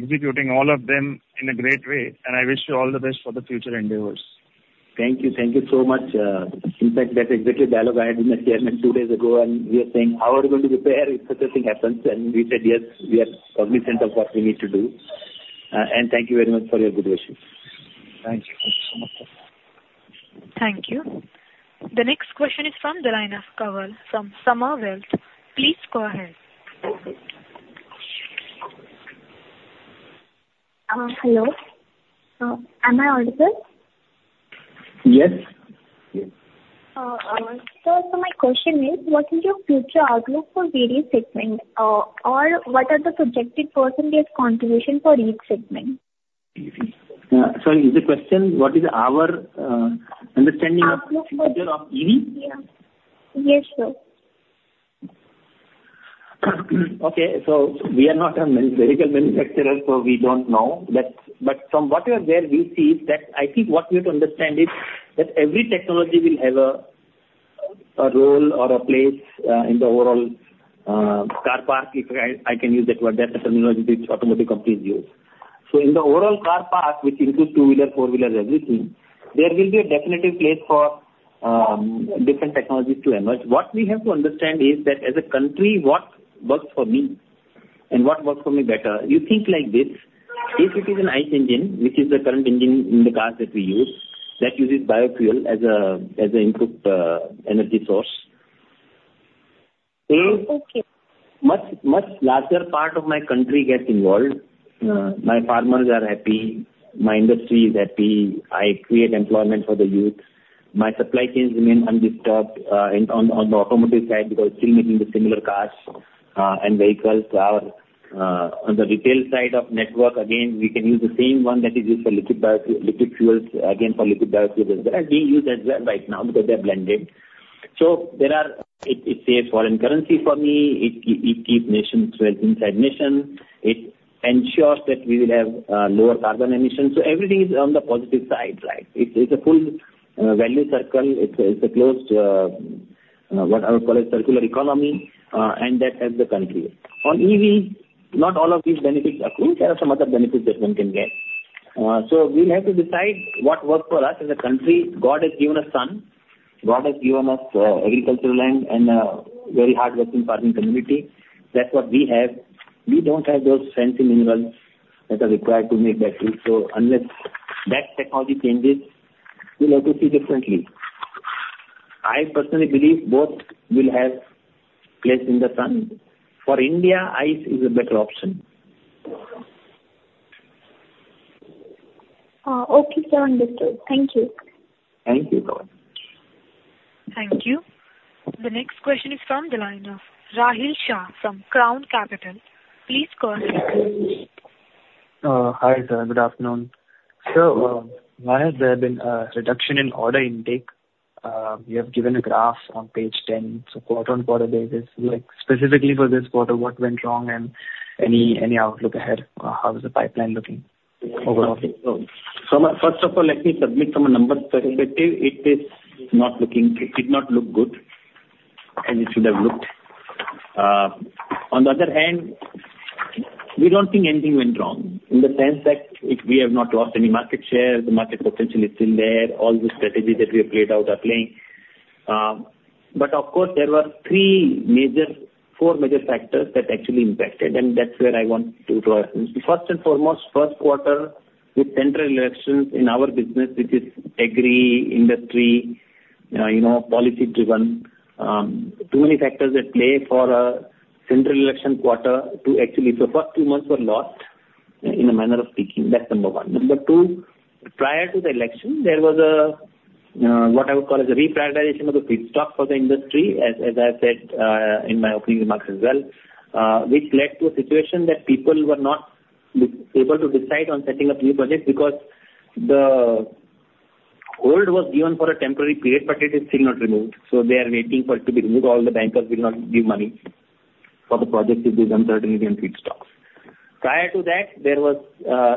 [SPEAKER 15] executing all of them in a great way. And I wish you all the best for the future endeavors.
[SPEAKER 3] Thank you. Thank you so much. In fact, that executive dialogue I had with my chairman two days ago, and we are saying, "How are we going to prepare if such a thing happens?" And we said, "Yes, we are cognizant of what we need to do." And thank you very much for your good wishes.
[SPEAKER 15] Thank you. Thank you so much.
[SPEAKER 1] Thank you. The next question is from the line of Dhaval from Samar Wealth. Please go ahead.
[SPEAKER 16] Hello. Am I audible?
[SPEAKER 4] Yes.
[SPEAKER 16] Sir, my question is, what is your future outlook for various segments, or what are the projected percentage contribution for each segment? Sorry, is the question what is our understanding of the future of EV?
[SPEAKER 11] Yes. Yes, sir.
[SPEAKER 3] Okay. So we are not a medical manufacturer, so we don't know. But, but from what we have there, we see that I think what we have to understand is that every technology will have a role or a place in the overall car park, if I can use that word, that the terminology which automotive companies use. So in the overall car park, which includes two-wheeler, four-wheeler, everything, there will be a definitive place for different technologies to emerge. What we have to understand is that as a country, what works for me and what works for me better. You think like this, if it is an ICE engine, which is the current engine in the cars that we use, that uses biofuel as an improved energy source.
[SPEAKER 16] Oh, okay.
[SPEAKER 3] A much, much larger part of my country gets involved. My farmers are happy. My industry is happy. I create employment for the youth. My supply chains remain undisturbed, and on, on the automotive side because we're still making the similar cars, and vehicles. Our, on the retail side of network, again, we can use the same one that is used for liquid biofuel, liquid fuels, again, for liquid biofuels as well. They are being used as well right now because they are blended. So there are, it saves foreign currency for me. It keeps nations well inside nations. It ensures that we will have lower carbon emissions. So everything is on the positive side, right? It's a full value circle. It's a closed, what I would call a circular economy, and that helps the country. On EV, not all of these benefits are closed. There are some other benefits that one can get. So we'll have to decide what works for us as a country. God has given us sun. God has given us agricultural land and a very hardworking farming community. That's what we have. We don't have those fancy minerals that are required to make batteries. So unless that technology changes, we'll have to see differently. I personally believe both will have a place in the sun. For India, ice is a better option.
[SPEAKER 16] Okay, sir, understood. Thank you.
[SPEAKER 3] Thank you, Dhaval.
[SPEAKER 1] Thank you. The next question is from the line of Rahil Shah from Crown Capital. Please go ahead.
[SPEAKER 17] Hi, sir. Good afternoon. Sir, why has there been a reduction in order intake? You have given a graph on page 10. So quarter-on-quarter basis, like, specifically for this quarter, what went wrong and any, any outlook ahead? How is the pipeline looking overall?
[SPEAKER 3] Okay. So first of all, let me start from a numbers perspective. It is not looking good. It did not look good, and it should have looked good. On the other hand, we don't think anything went wrong in the sense that we have not lost any market share. The market potential is still there. All the strategies that we have played out are playing. But of course, there were three major, four major factors that actually impacted, and that's where I want to draw attention. First and foremost, first quarter with central elections in our business, which is agri industry, you know, policy-driven, too many factors that play for a central election quarter to actually, so first two months were lost in a manner of speaking. That's number one. Number two, prior to the election, there was what I would call a reprioritization of the feedstock for the industry, as I said in my opening remarks as well, which led to a situation that people were not able to decide on setting up new projects because the hold was given for a temporary period, but it is still not removed. So they are waiting for it to be removed. All the bankers will not give money for the projects if there's uncertainty on feedstocks. Prior to that, there was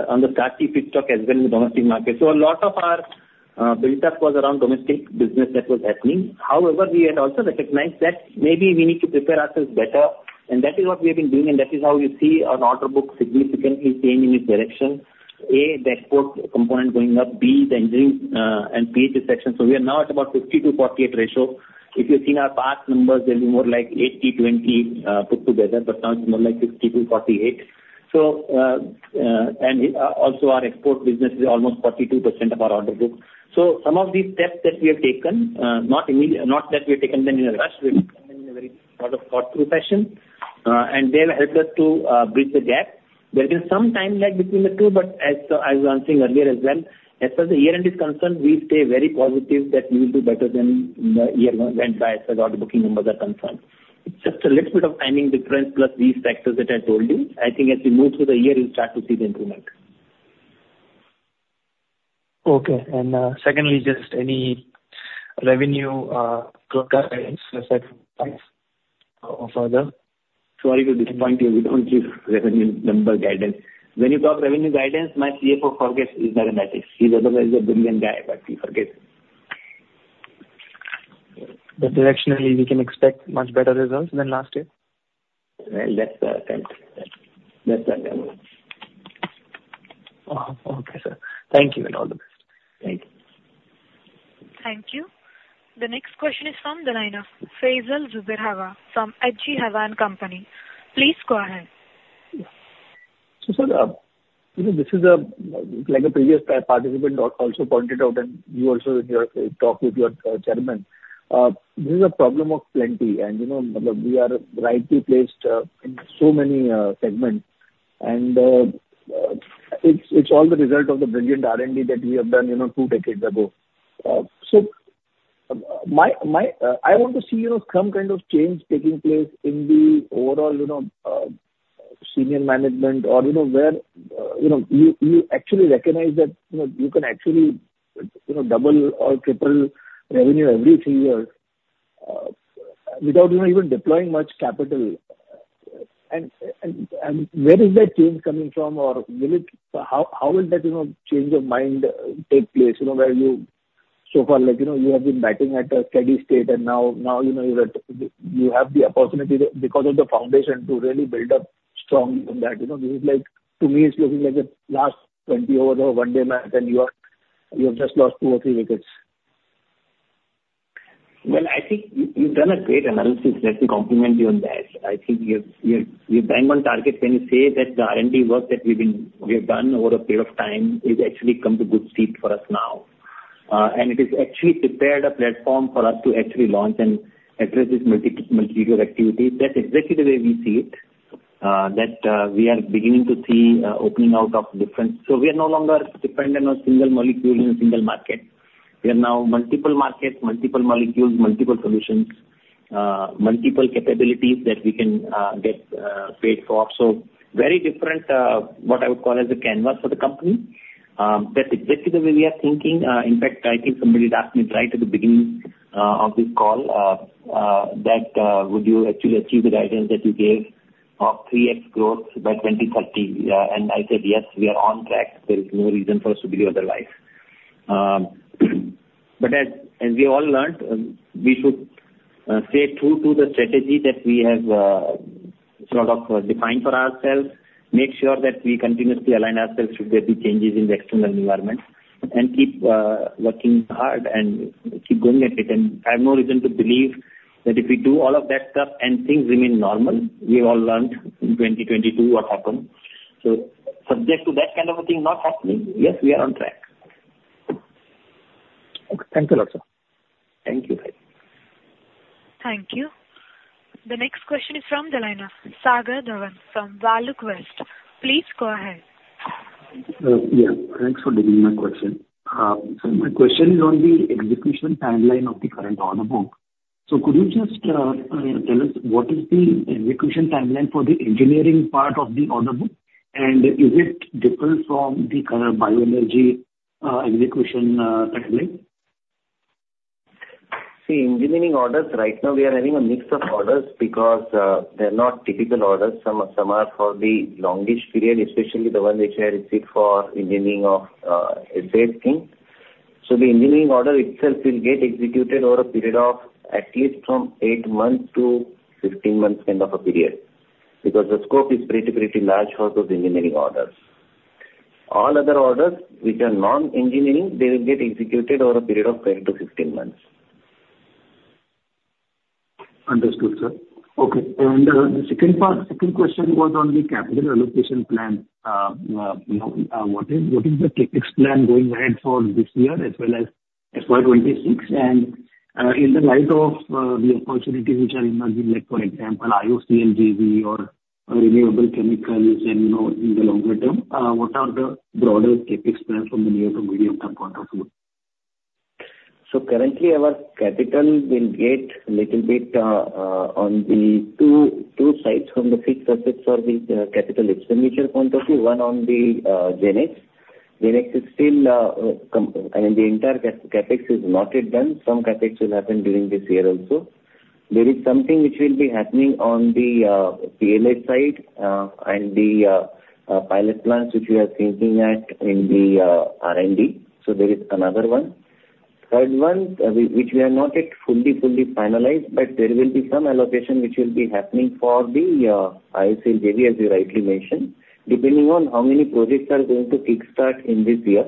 [SPEAKER 3] on the starchy feedstock as well in the domestic market. So a lot of our buildup was around domestic business that was happening. However, we had also recognized that maybe we need to prepare ourselves better, and that is what we have been doing, and that is how we see our order book significantly change in its direction. A, the export component going up. B, the engineering, and PHS division. So we are now at about 50-48 ratio. If you've seen our past numbers, they'll be more like 80-20, put together, but now it's more like 60-48. So, and, also our export business is almost 42% of our order book. So some of these steps that we have taken, not immediate, not that we have taken them in a rush. We have taken them in a very sort of thoughtful fashion, and they have helped us to, bridge the gap. There has been some time lag between the two, but as, I was answering earlier as well, as far as the year-end is concerned, we stay very positive that we will do better than the year went by as far as order booking numbers are concerned. It's just a little bit of timing difference plus these factors that I told you. I think as we move through the year, we'll start to see the improvement.
[SPEAKER 17] Okay. And, secondly, just any revenue guidance for the. Sorry to disappoint you. We don't give revenue number guidance. When you talk revenue guidance, my CFO forgets. Is that a matter? He's otherwise a brilliant guy, but he forgets. But directionally, we can expect much better results than last year?
[SPEAKER 3] Well, that's our attempt. That's our goal.
[SPEAKER 17] Oh, okay, sir. Thank you and all the best.
[SPEAKER 3] Thank you.
[SPEAKER 1] Thank you. The next question is from the line of Faisal Zubair Hawa from H.G. Hawa & Company. Please go ahead.
[SPEAKER 18] So, sir, you know, this is a, like a previous participant also pointed out, and you also in your talk with your, chairman, this is a problem of plenty. And, you know, maybe we are rightly placed, in so many, segments. And, it's, it's all the result of the brilliant R&D that we have done, you know, two decades ago. So, my, my, I want to see, you know, some kind of change taking place in the overall, you know, senior management or, you know, where, you know, you, you actually recognize that, you know, you can actually, you know, double or triple revenue every three years, without, you know, even deploying much capital. And where is that change coming from, or will it, how will that, you know, change of mind take place, you know, where you so far, like, you know, you have been batting at a steady state, and now, you know, you're at, you have the opportunity because of the foundation to really build up strongly on that. You know, this is like, to me, it's looking like a last 20 over the one-day match, and you have just lost two or three wickets.
[SPEAKER 3] Well, I think you've done a great analysis. Let me compliment you on that. I think you've banged on target when you say that the R&D work that we've been, we've done over a period of time is actually come to good stead for us now. It has actually prepared a platform for us to actually launch and address this multi, multi-year activity. That's exactly the way we see it, that we are beginning to see opening out of different. So we are no longer dependent on single molecules in a single market. We are now multiple markets, multiple molecules, multiple solutions, multiple capabilities that we can get paid for. So very different, what I would call as a canvas for the company. That's exactly the way we are thinking. In fact, I think somebody had asked me right at the beginning of this call that would you actually achieve the guidance that you gave of 3x growth by 2030? I said, "Yes, we are on track. There is no reason for us to believe otherwise," but as we all learned, we should stay true to the strategy that we have sort of defined for ourselves, make sure that we continuously align ourselves should there be changes in the external environment, and keep working hard and keep going at it. And I have no reason to believe that if we do all of that stuff and things remain normal, we've all learned in 2022 what happened. So subject to that kind of a thing not happening, yes, we are on track.
[SPEAKER 18] Okay. Thank you a lot, sir.
[SPEAKER 4] Thank you.
[SPEAKER 1] Thank you. The next question is from the line of Sagar Dhawan from ValueQuest. Please go ahead.
[SPEAKER 19] Yeah. Thanks for taking my question. So my question is on the execution timeline of the current order book. So could you just tell us what is the execution timeline for the engineering part of the order book, and is it different from the current bioenergy execution timeline?
[SPEAKER 3] See, engineering orders right now we are having a mix of orders because they're not typical orders. Some, some are for the longish period, especially the one which I received for engineering of SAF skids. So the engineering order itself will get executed over a period of at least 8-15 months kind of a period because the scope is pretty, pretty large for those engineering orders. All other orders which are non-engineering, they will get executed over a period of 10-15 months.
[SPEAKER 11] Understood, sir. Okay. And, the second part, second question was on the capital allocation plan. You know, what is, what is the capex plan going ahead for this year as well as FY26? And, in the light of, the opportunities which are emerging, like for example, IOC and JV or, renewable chemicals and, you know, in the longer term, what are the broader capex plans from the near to medium-term point of view?
[SPEAKER 3] So currently, our capex will get a little bit on the two sides from the feedstock sources for the capital expenditure point of view. One on the GenX. GenX is still coming, and the entire CAPEX is not yet done. Some CAPEX will happen during this year also. There is something which will be happening on the PLA side, and the pilot plants which we are thinking of in the R&D. So there is another one. Third one, which we are not yet fully finalized, but there will be some allocation which will be happening for the IOC and JV, as you rightly mentioned, depending on how many projects are going to kickstart in this year.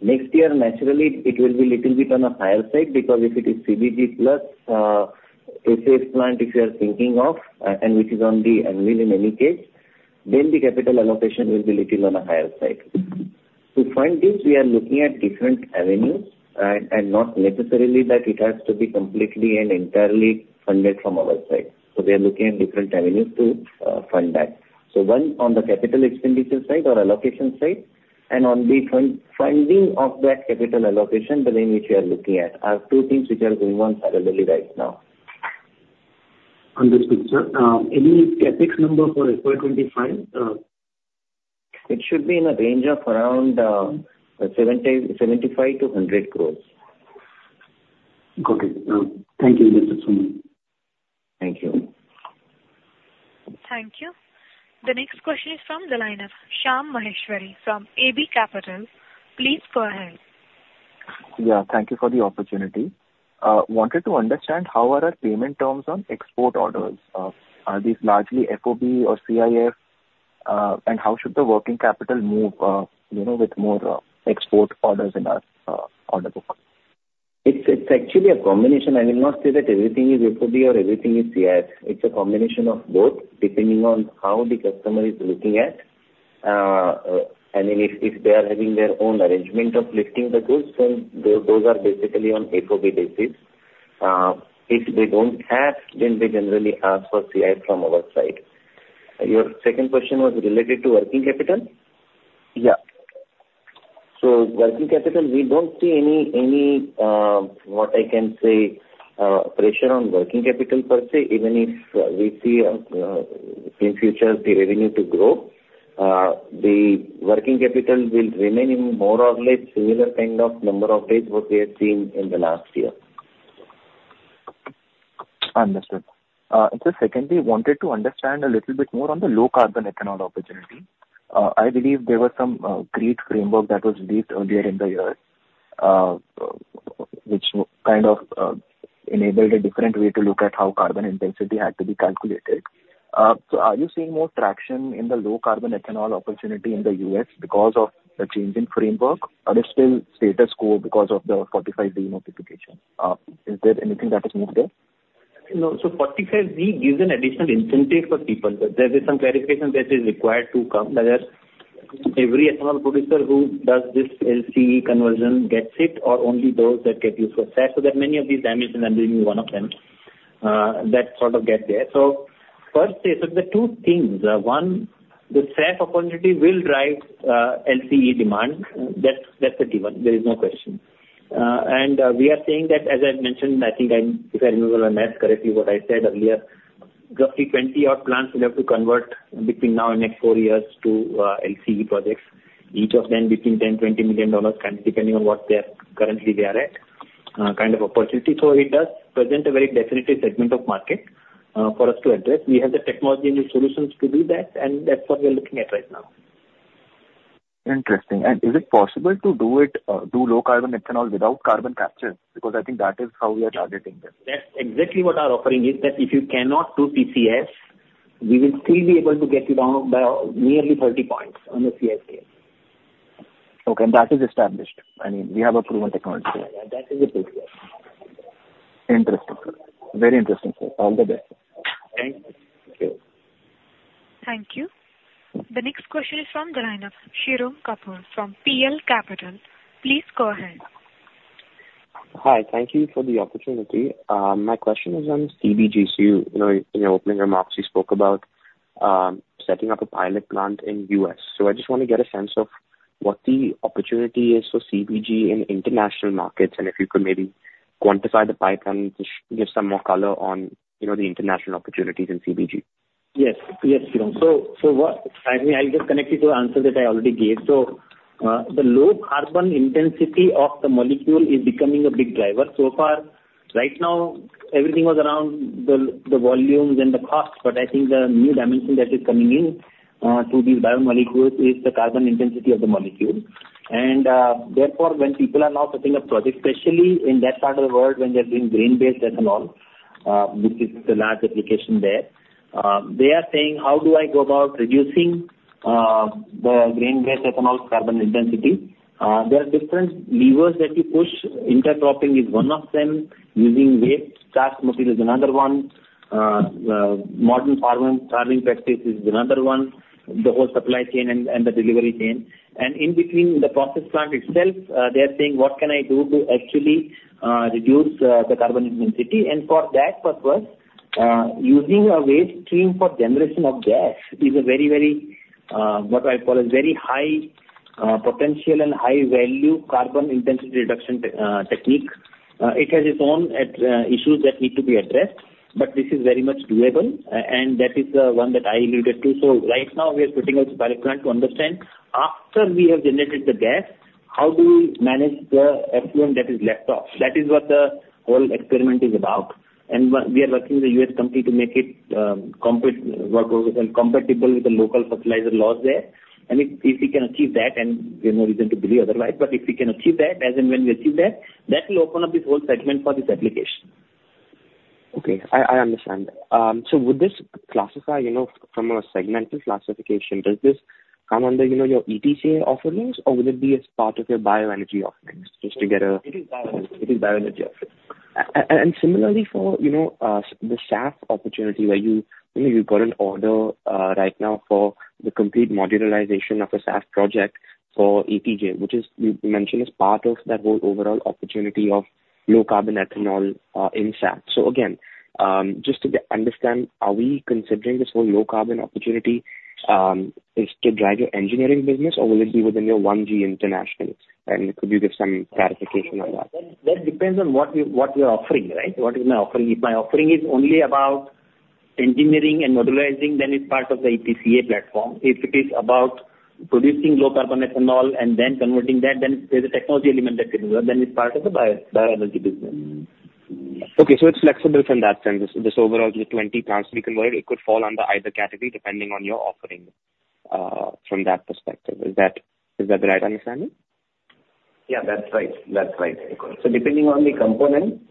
[SPEAKER 3] Next year, naturally, it will be a little bit on a higher side because if it is CBG plus, SAF plant if you are thinking of, and which is on the anvil in any case, then the capital allocation will be a little on a higher side. To fund this, we are looking at different avenues, and not necessarily that it has to be completely and entirely funded from our side. So we are looking at different avenues to fund that. So one on the capital expenditure side or allocation side, and on the funding of that capital allocation, the way in which we are looking at are two things which are going on parallelly right now.
[SPEAKER 19] Understood, sir. Any CapEx number for FY2025?
[SPEAKER 2] It should be in a range of around 70-75 crores to 100 crores.
[SPEAKER 19] Got it. Thank you, Mr. Sonpal.
[SPEAKER 3] Thank you.
[SPEAKER 1] Thank you. The next question is from the line of Shyam Maheshwari from AB Capital. Please go ahead.
[SPEAKER 20] Yeah. Thank you for the opportunity. Wanted to understand how are our payment terms on export orders? Are these largely FOB or CIF? And how should the working capital move, you know, with more export orders in our order book?
[SPEAKER 3] It's actually a combination. I will not say that everything is FOB or everything is CIF. It's a combination of both depending on how the customer is looking at. And then if they are having their own arrangement of lifting the goods, then those are basically on FOB basis. If they don't have, then they generally ask for CIF from our side. Your second question was related to working capital?
[SPEAKER 20] Yeah.
[SPEAKER 3] So working capital, we don't see any, what I can say, pressure on working capital per se, even if we see, in future the revenue to grow. The working capital will remain in more or less similar kind of number of days what we have seen in the last year.
[SPEAKER 20] Understood. Just secondly, wanted to understand a little bit more on the low-carbon ethanol opportunity. I believe there was some great framework that was released earlier in the year, which kind of enabled a different way to look at how carbon intensity had to be calculated. Are you seeing more traction in the low-carbon ethanol opportunity in the U.S. because of the changing framework, or is it still status quo because of the 45Z notification? Is there anything that has moved there?
[SPEAKER 3] No. So 45Z gives an additional incentive for people. There is some clarification that is required to come whether every ethanol producer who does this LCE conversion gets it or only those that get used for SAF. So there are many of these nuances, and I'm bringing one of them, that sort of get there. So firstly, so there are two things. One, the SAF opportunity will drive LCE demand. That's, that's the demand. There is no question. And we are seeing that, as I've mentioned, I think I'm, if I remember my math correctly, what I said earlier, roughly 20 plants will have to convert between now and the next 4 years to LCE projects, each of them between $10-$20 million depending on what they are currently at, kind of opportunity. So it does present a very definitive segment of the market for us to address. We have the technology and the solutions to do that, and that's what we're looking at right now.
[SPEAKER 20] Interesting. And is it possible to do it, do low-carbon ethanol without carbon capture? Because I think that is how we are targeting this.
[SPEAKER 3] That's exactly what our offering is, that if you cannot do CCS, we will still be able to get you down by nearly 30 points on the CIF case.
[SPEAKER 13] Okay. That is established. I mean, we have a proven technology.
[SPEAKER 3] Yeah. That is the CCS.
[SPEAKER 20] Interesting. Very interesting. All the best.
[SPEAKER 3] Thank you. Thank you.
[SPEAKER 1] Thank you. The next question is from the line of Shirom Kapur from PL Capital. Please go ahead.
[SPEAKER 21] Hi. Thank you for the opportunity. My question is on CBG. So, you know, in your opening, your remarks you spoke about, setting up a pilot plant in the U.S. So I just want to get a sense of what the opportunity is for CBG in international markets and if you could maybe quantify the pipeline to give some more color on, you know, the international opportunities in CBG.
[SPEAKER 3] Yes. Yes, Shirom. So, so what I mean, I'll just connect you to the answer that I already gave. So, the low carbon intensity of the molecule is becoming a big driver. So far, right now, everything was around the volumes and the cost, but I think the new dimension that is coming in to these biomolecules is the carbon intensity of the molecule. And, therefore, when people are now setting up projects, especially in that part of the world when they're doing grain-based ethanol, which is the large application there, they are saying, "How do I go about reducing the grain-based ethanol's carbon intensity?" There are different levers that you push. Intercropping is one of them. Using waste-starved material is another one. modern farming practice is another one. The whole supply chain and, and the delivery chain. In between the process plant itself, they are saying, "What can I do to actually reduce the carbon intensity?" For that purpose, using a waste stream for generation of gas is a very, very, what I call a very high potential and high-value carbon intensity reduction technique. It has its own attendant issues that need to be addressed, but this is very much doable, and that is the one that I alluded to. So right now, we are putting up a pilot plant to understand after we have generated the gas, how do we manage the effluent that is left over. That is what the whole experiment is about. We are working with the U.S. company to make it commercially workable compatible with the local fertilizer laws there. If, if we can achieve that, and there's no reason to believe otherwise, but if we can achieve that, as in when we achieve that, that will open up this whole segment for this application.
[SPEAKER 21] Okay. I, I understand. So would this classify, you know, from a segmental classification, does this come under, you know, your ETCA offerings, or would it be as part of your bioenergy offerings just to get a?
[SPEAKER 3] It is Bioenergy. It is Bioenergy offering. And similarly for, you know, the SAF opportunity where you, you know, you've got an order, right now for the complete modularization of a SAF project for ATJ, which is, you mentioned, is part of that whole overall opportunity of low-carbon ethanol, in SAF. So again, just to understand, are we considering this whole low carbon opportunity, is to drive your engineering business, or will it be within your 1G internationally? And could you give some clarification on that? That depends on what you're offering, right? What is my offering? If my offering is only about engineering and modularizing, then it's part of the ETCA platform. If it is about producing low-carbon ethanol and then converting that, then there's a technology element that can work, then it's part of the bioenergy business.
[SPEAKER 21] Okay. So it's flexible from that sense. This overall, the 20 plants we converted, it could fall under either category depending on your offering, from that perspective. Is that the right understanding?
[SPEAKER 3] Yeah. That's right. That's right. So depending on the component,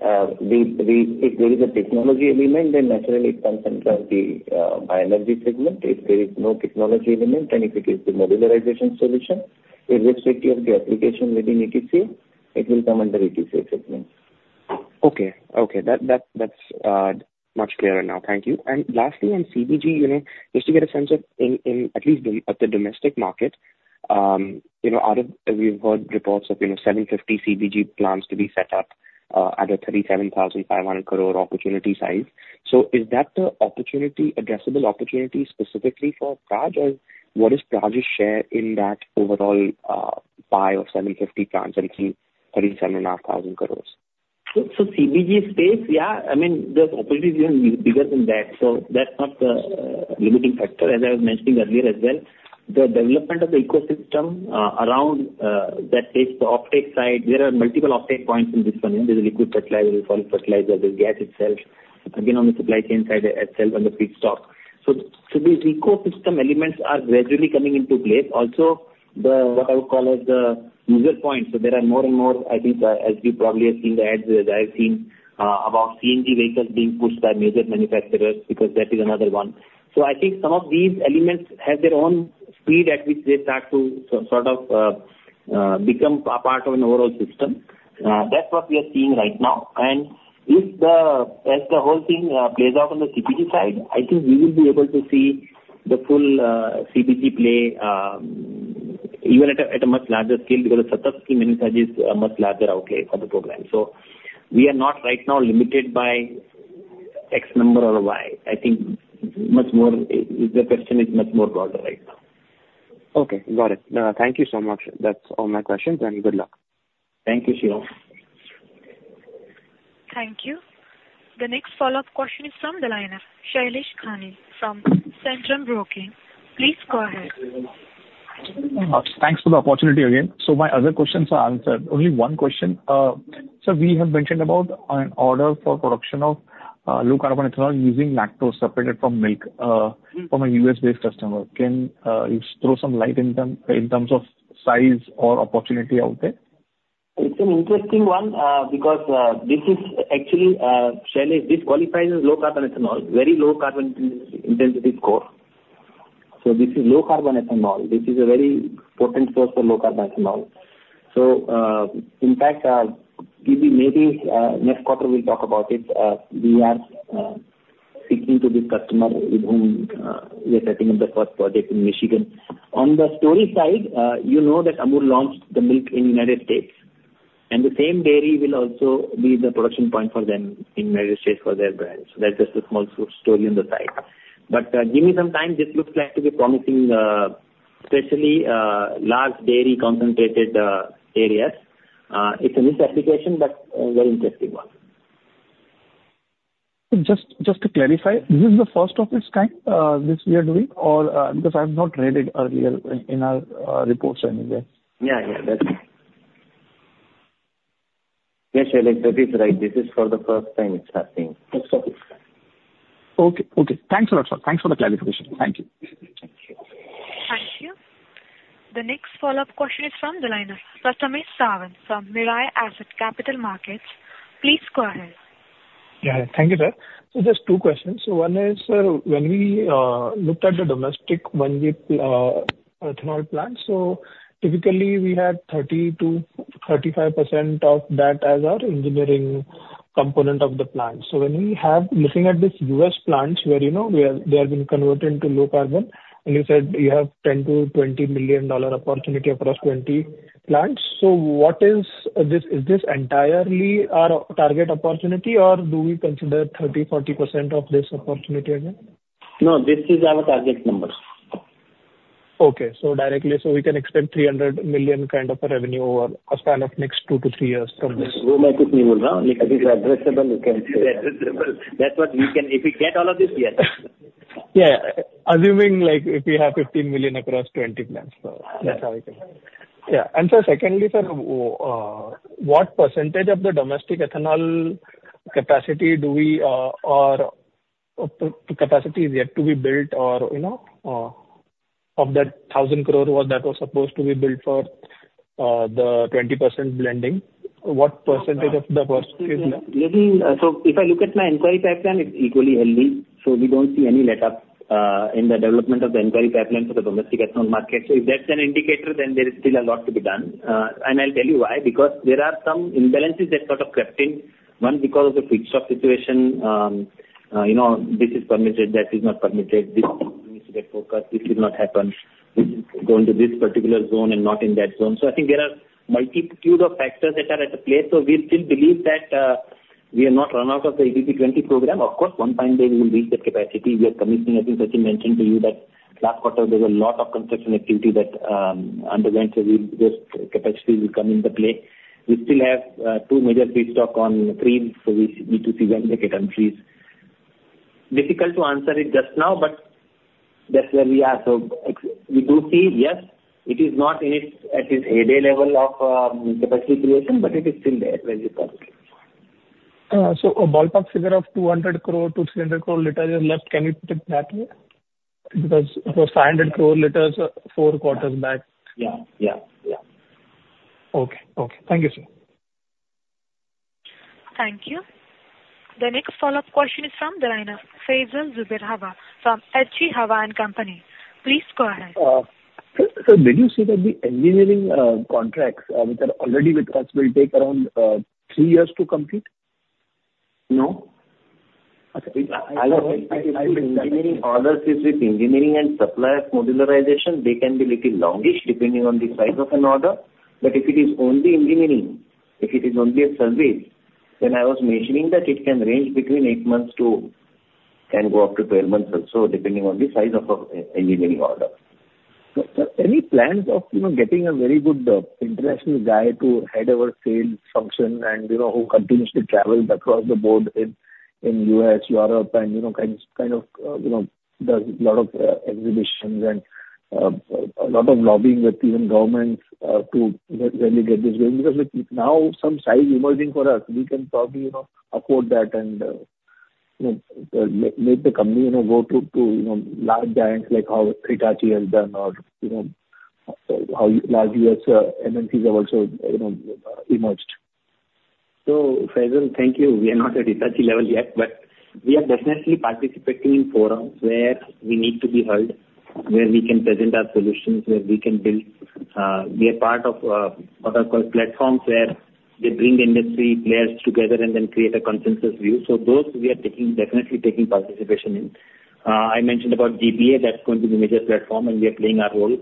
[SPEAKER 3] the if there is a technology element, then naturally it comes under the Bioenergy segment. If there is no technology element, then if it is the modularization solution, irrespective of the application within ETCA, it will come under ETCA segment.
[SPEAKER 21] Okay. That's much clearer now. Thank you. And lastly, on CBG, you know, just to get a sense of in at least the domestic market, you know, we've heard reports of, you know, 750 CBG plants to be set up, at an 37,500 crore opportunity size. So is that the opportunity, addressable opportunity specifically for Praj, or what is Praj's share in that overall pie of 750 plants and 37,500 crores?
[SPEAKER 3] So, CBG space, yeah. I mean, the opportunity is even bigger than that. So that's not the limiting factor. As I was mentioning earlier as well, the development of the ecosystem around that takes the offtake side. There are multiple offtake points in this one, you know. There's a liquid fertilizer, there's solid fertilizer, there's gas itself. Again, on the supply chain side itself and the feedstock. So, these ecosystem elements are gradually coming into place. Also, what I would call the user points. So there are more and more, I think, as you probably have seen the ads that I've seen, about CNG vehicles being pushed by major manufacturers because that is another one. So I think some of these elements have their own speed at which they start to sort of become a part of an overall system. That's what we are seeing right now. If the whole thing plays out on the CBG side, I think we will be able to see the full CBG play, even at a much larger scale because the SATAT manufacturer is a much larger outlay for the program. So we are not right now limited by X number or Y. I think much more the question is much more broader right now.
[SPEAKER 21] Okay. Got it. No, thank you so much. That's all my questions, and good luck.
[SPEAKER 3] Thank you, Shirom.
[SPEAKER 1] Thank you. The next follow-up question is from the line of Shailesh Kanani from Centrum Broking. Please go ahead.
[SPEAKER 8] Thanks for the opportunity again. So my other questions are answered. Only one question. We have mentioned about an order for production of low-carbon ethanol using lactose separated from milk from a U.S.-based customer. Can you throw some light in terms of size or opportunity out there?
[SPEAKER 3] It's an interesting one, because this is actually this qualifies low-carbon ethanol, very low carbon intensity score. So this is low-carbon ethanol. This is a very potent source for low-carbon ethanol. So, in fact, maybe next quarter we'll talk about it. We are speaking to this customer with whom we are setting up the first project in Michigan. On the story side, you know that Amul launched the milk in the United States, and the same dairy will also be the production point for them in the United States for their brand. So that's just a small story on the side. But give me some time. This looks like to be promising, especially large dairy concentrated areas. It's a niche application, but a very interesting one.
[SPEAKER 8] Just to clarify, this is the first of its kind, this we are doing, or because I've not read it earlier in our reports or anything?
[SPEAKER 3] Yeah. Yeah. That's right. Yeah, Shailesh, that is right. This is for the first time it's happening.
[SPEAKER 8] Okay. Okay. Thanks a lot, sir. Thanks for the clarification. Thank you.
[SPEAKER 3] Thank you.
[SPEAKER 1] Thank you. The next follow-up question is from the line of Prathamesh Sawant from Mirae Asset Capital Markets. Please go ahead.
[SPEAKER 10] Yeah. Thank you, sir. So just two questions. So one is, when we looked at the domestic 1G ethanol plants, so typically we had 30%-35% of that as our engineering component of the plant. So when we have looking at these U.S. plants where, you know, they have been converted into low carbon, and you said you have $10-$20 million opportunity across 20 plants. So what is this? Is this entirely our target opportunity, or do we consider 30%-40% of this opportunity again?
[SPEAKER 3] No. This is our target number.
[SPEAKER 10] Okay. So directly, so we can expect 300 million kind of a revenue over a span of next two to three years from this?
[SPEAKER 3] Yes. Who am I kidding? You know, it's addressable. You can say it's addressable. That's what we can. If we get all of this, yes.
[SPEAKER 10] Yeah. Assuming, like, if we have 15 million across 20 plants, so that's how we can. Yeah. And so secondly, sir, what percentage of the domestic ethanol capacity do we, or capacity is yet to be built or, you know, of that 1,000 crore that was supposed to be built for the 20% blending, what percentage of the work is left?
[SPEAKER 3] So if I look at my inquiry pipeline, it's equally heavy. So we don't see any letup in the development of the inquiry pipeline for the domestic ethanol market. So if that's an indicator, then there is still a lot to be done. And I'll tell you why. Because there are some imbalances that sort of crept in, one because of the feedstock situation. You know, this is permitted. That is not permitted. This needs to get focused. This will not happen. This is going to this particular zone and not in that zone. So I think there are a multitude of factors that are at play. So we still believe that we are not run out of the ABP20 program. Of course, one time we will reach that capacity. We are commissioning, as you mentioned to you, that last quarter there was a lot of construction activity that underwent. So just capacity will come into play. We still have two major feedstock constraints. So we need to see when they get unfrozen. Difficult to answer it just now, but that's where we are. So we do see, yes, it is not at its heyday level of capacity creation, but it is still there where you can.
[SPEAKER 10] A ballpark figure of 200-300 crore liters is left. Can we put it that way? Because it was 500 crore liters 4 quarters back.
[SPEAKER 3] Yeah. Yeah. Yeah.
[SPEAKER 10] Okay. Okay. Thank you, sir.
[SPEAKER 1] Thank you. The next follow-up question is from the line of Faisal Zubair Hawa from H.G. Hawa & Company. Please go ahead.
[SPEAKER 18] Did you see that the engineering contracts, which are already with us, will take around 3 years to complete?
[SPEAKER 3] No. I was mentioning orders with engineering and supply of modularization; they can be a little longish depending on the size of an order. But if it is only engineering, if it is only a service, then I was mentioning that it can range between 8 months and go up to 12 months or so depending on the size of an engineering order.
[SPEAKER 18] So, any plans of, you know, getting a very good, international guy to head over sales function and, you know, who continues to travel across the board in U.S., Europe, and, you know, kind of, you know, does a lot of exhibitions and, a lot of lobbying with even governments, to really get this going? Because with now some size emerging for us, we can probably, you know, afford that and, you know, make the company, you know, go to large giants like how Hitachi has done or, you know, how large U.S., MNCs have also, you know, emerged.
[SPEAKER 3] So Faisal, thank you. We are not at Hitachi level yet, but we are definitely participating in forums where we need to be heard, where we can present our solutions, where we can build, we are part of, what I call platforms where they bring industry players together and then create a consensus view. So those we are taking definitely taking participation in. I mentioned about GPA. That's going to be the major platform, and we are playing our role,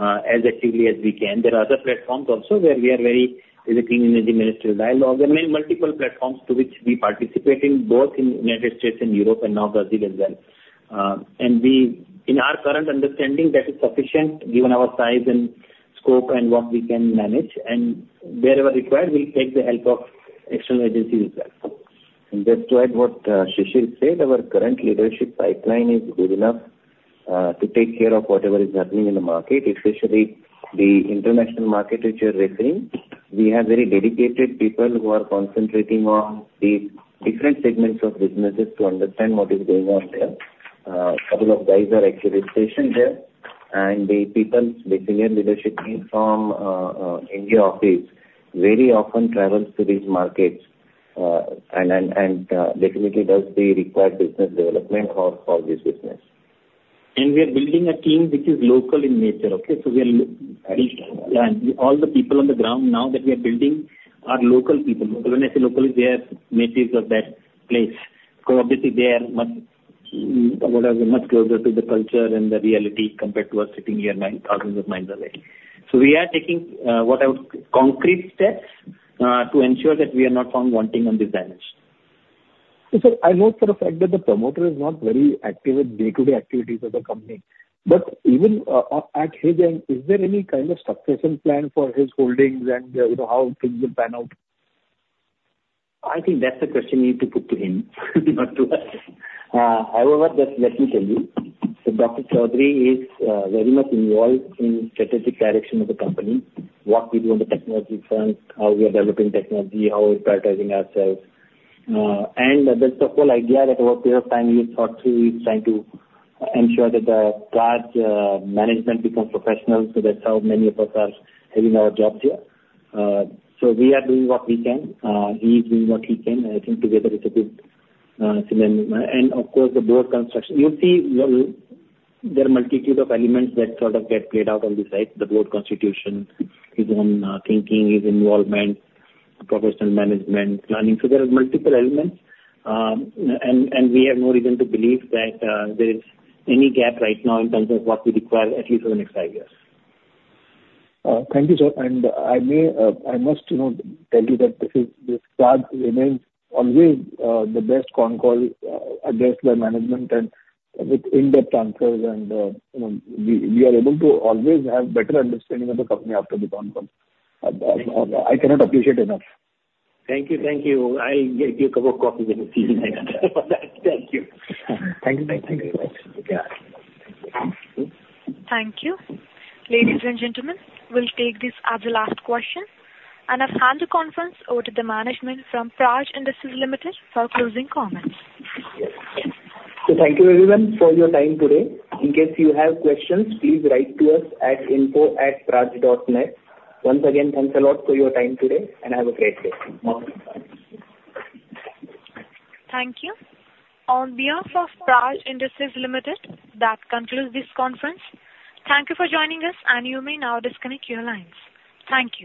[SPEAKER 3] as actively as we can. There are other platforms also where we are very in the clean energy ministry dialogue. There are many multiple platforms to which we participate in, both in the United States and Europe and now Brazil as well. And we in our current understanding, that is sufficient given our size and scope and what we can manage. And wherever required, we'll take the help of external agencies as well. And just to add what Shishir said, our current leadership pipeline is good enough to take care of whatever is happening in the market, especially the international market which you're referring. We have very dedicated people who are concentrating on the different segments of businesses to understand what is going on there. A couple of guys are actually stationed there, and the people, the senior leadership team from India office very often travels to these markets, and definitely does the required business development for this business. And we are building a team which is local in nature, okay? So we are at least all the people on the ground now that we are building are local people. When I say local, they are natives of that place because obviously they are much what I would say much closer to the culture and the reality compared to us sitting here thousands of miles away. So we are taking, what I would say concrete steps, to ensure that we are not found wanting on this dimension.
[SPEAKER 18] I know for a fact that the promoter is not very active with day-to-day activities of the company. But even at his end, is there any kind of succession plan for his holdings and, you know, how things will pan out?
[SPEAKER 3] I think that's a question you need to put to him, not to us. However, just let me tell you, so Dr. Chaudhari is very much involved in strategic direction of the company, what we do on the technology front, how we are developing technology, how we're prioritizing ourselves. That's the whole idea that over a period of time he has thought through. He's trying to ensure that the Praj management becomes professional. So that's how many of us are having our jobs here. We are doing what we can. He's doing what he can. I think together it's a good synergy. Of course, the board constitution, you'll see there are a multitude of elements that sort of get played out on this side. The board constitution, his own thinking, his involvement, professional management, planning. There are multiple elements, and we have no reason to believe that there is any gap right now in terms of what we require at least for the next five years.
[SPEAKER 18] Thank you, sir. I may, I must, you know, tell you that this is this Praj remains always the best phone call addressed by management and with in-depth answers. You know, we, we are able to always have better understanding of the company after the phone call. I cannot appreciate enough.
[SPEAKER 3] Thank you. Thank you. I'll get you a cup of coffee and see you next time for that. Thank you.
[SPEAKER 18] Thank you. Thank you so much.
[SPEAKER 4] Yeah.
[SPEAKER 1] Thank you. Ladies and gentlemen, we'll take this as the last question. I've handed the conference over to the management from Praj Industries Limited for closing comments.
[SPEAKER 3] Thank you, everyone, for your time today. In case you have questions, please write to us at info@praj.net. Once again, thanks a lot for your time today, and have a great day.
[SPEAKER 1] Thank you. On behalf of Praj Industries Limited, that concludes this conference. Thank you for joining us, and you may now disconnect your lines. Thank you.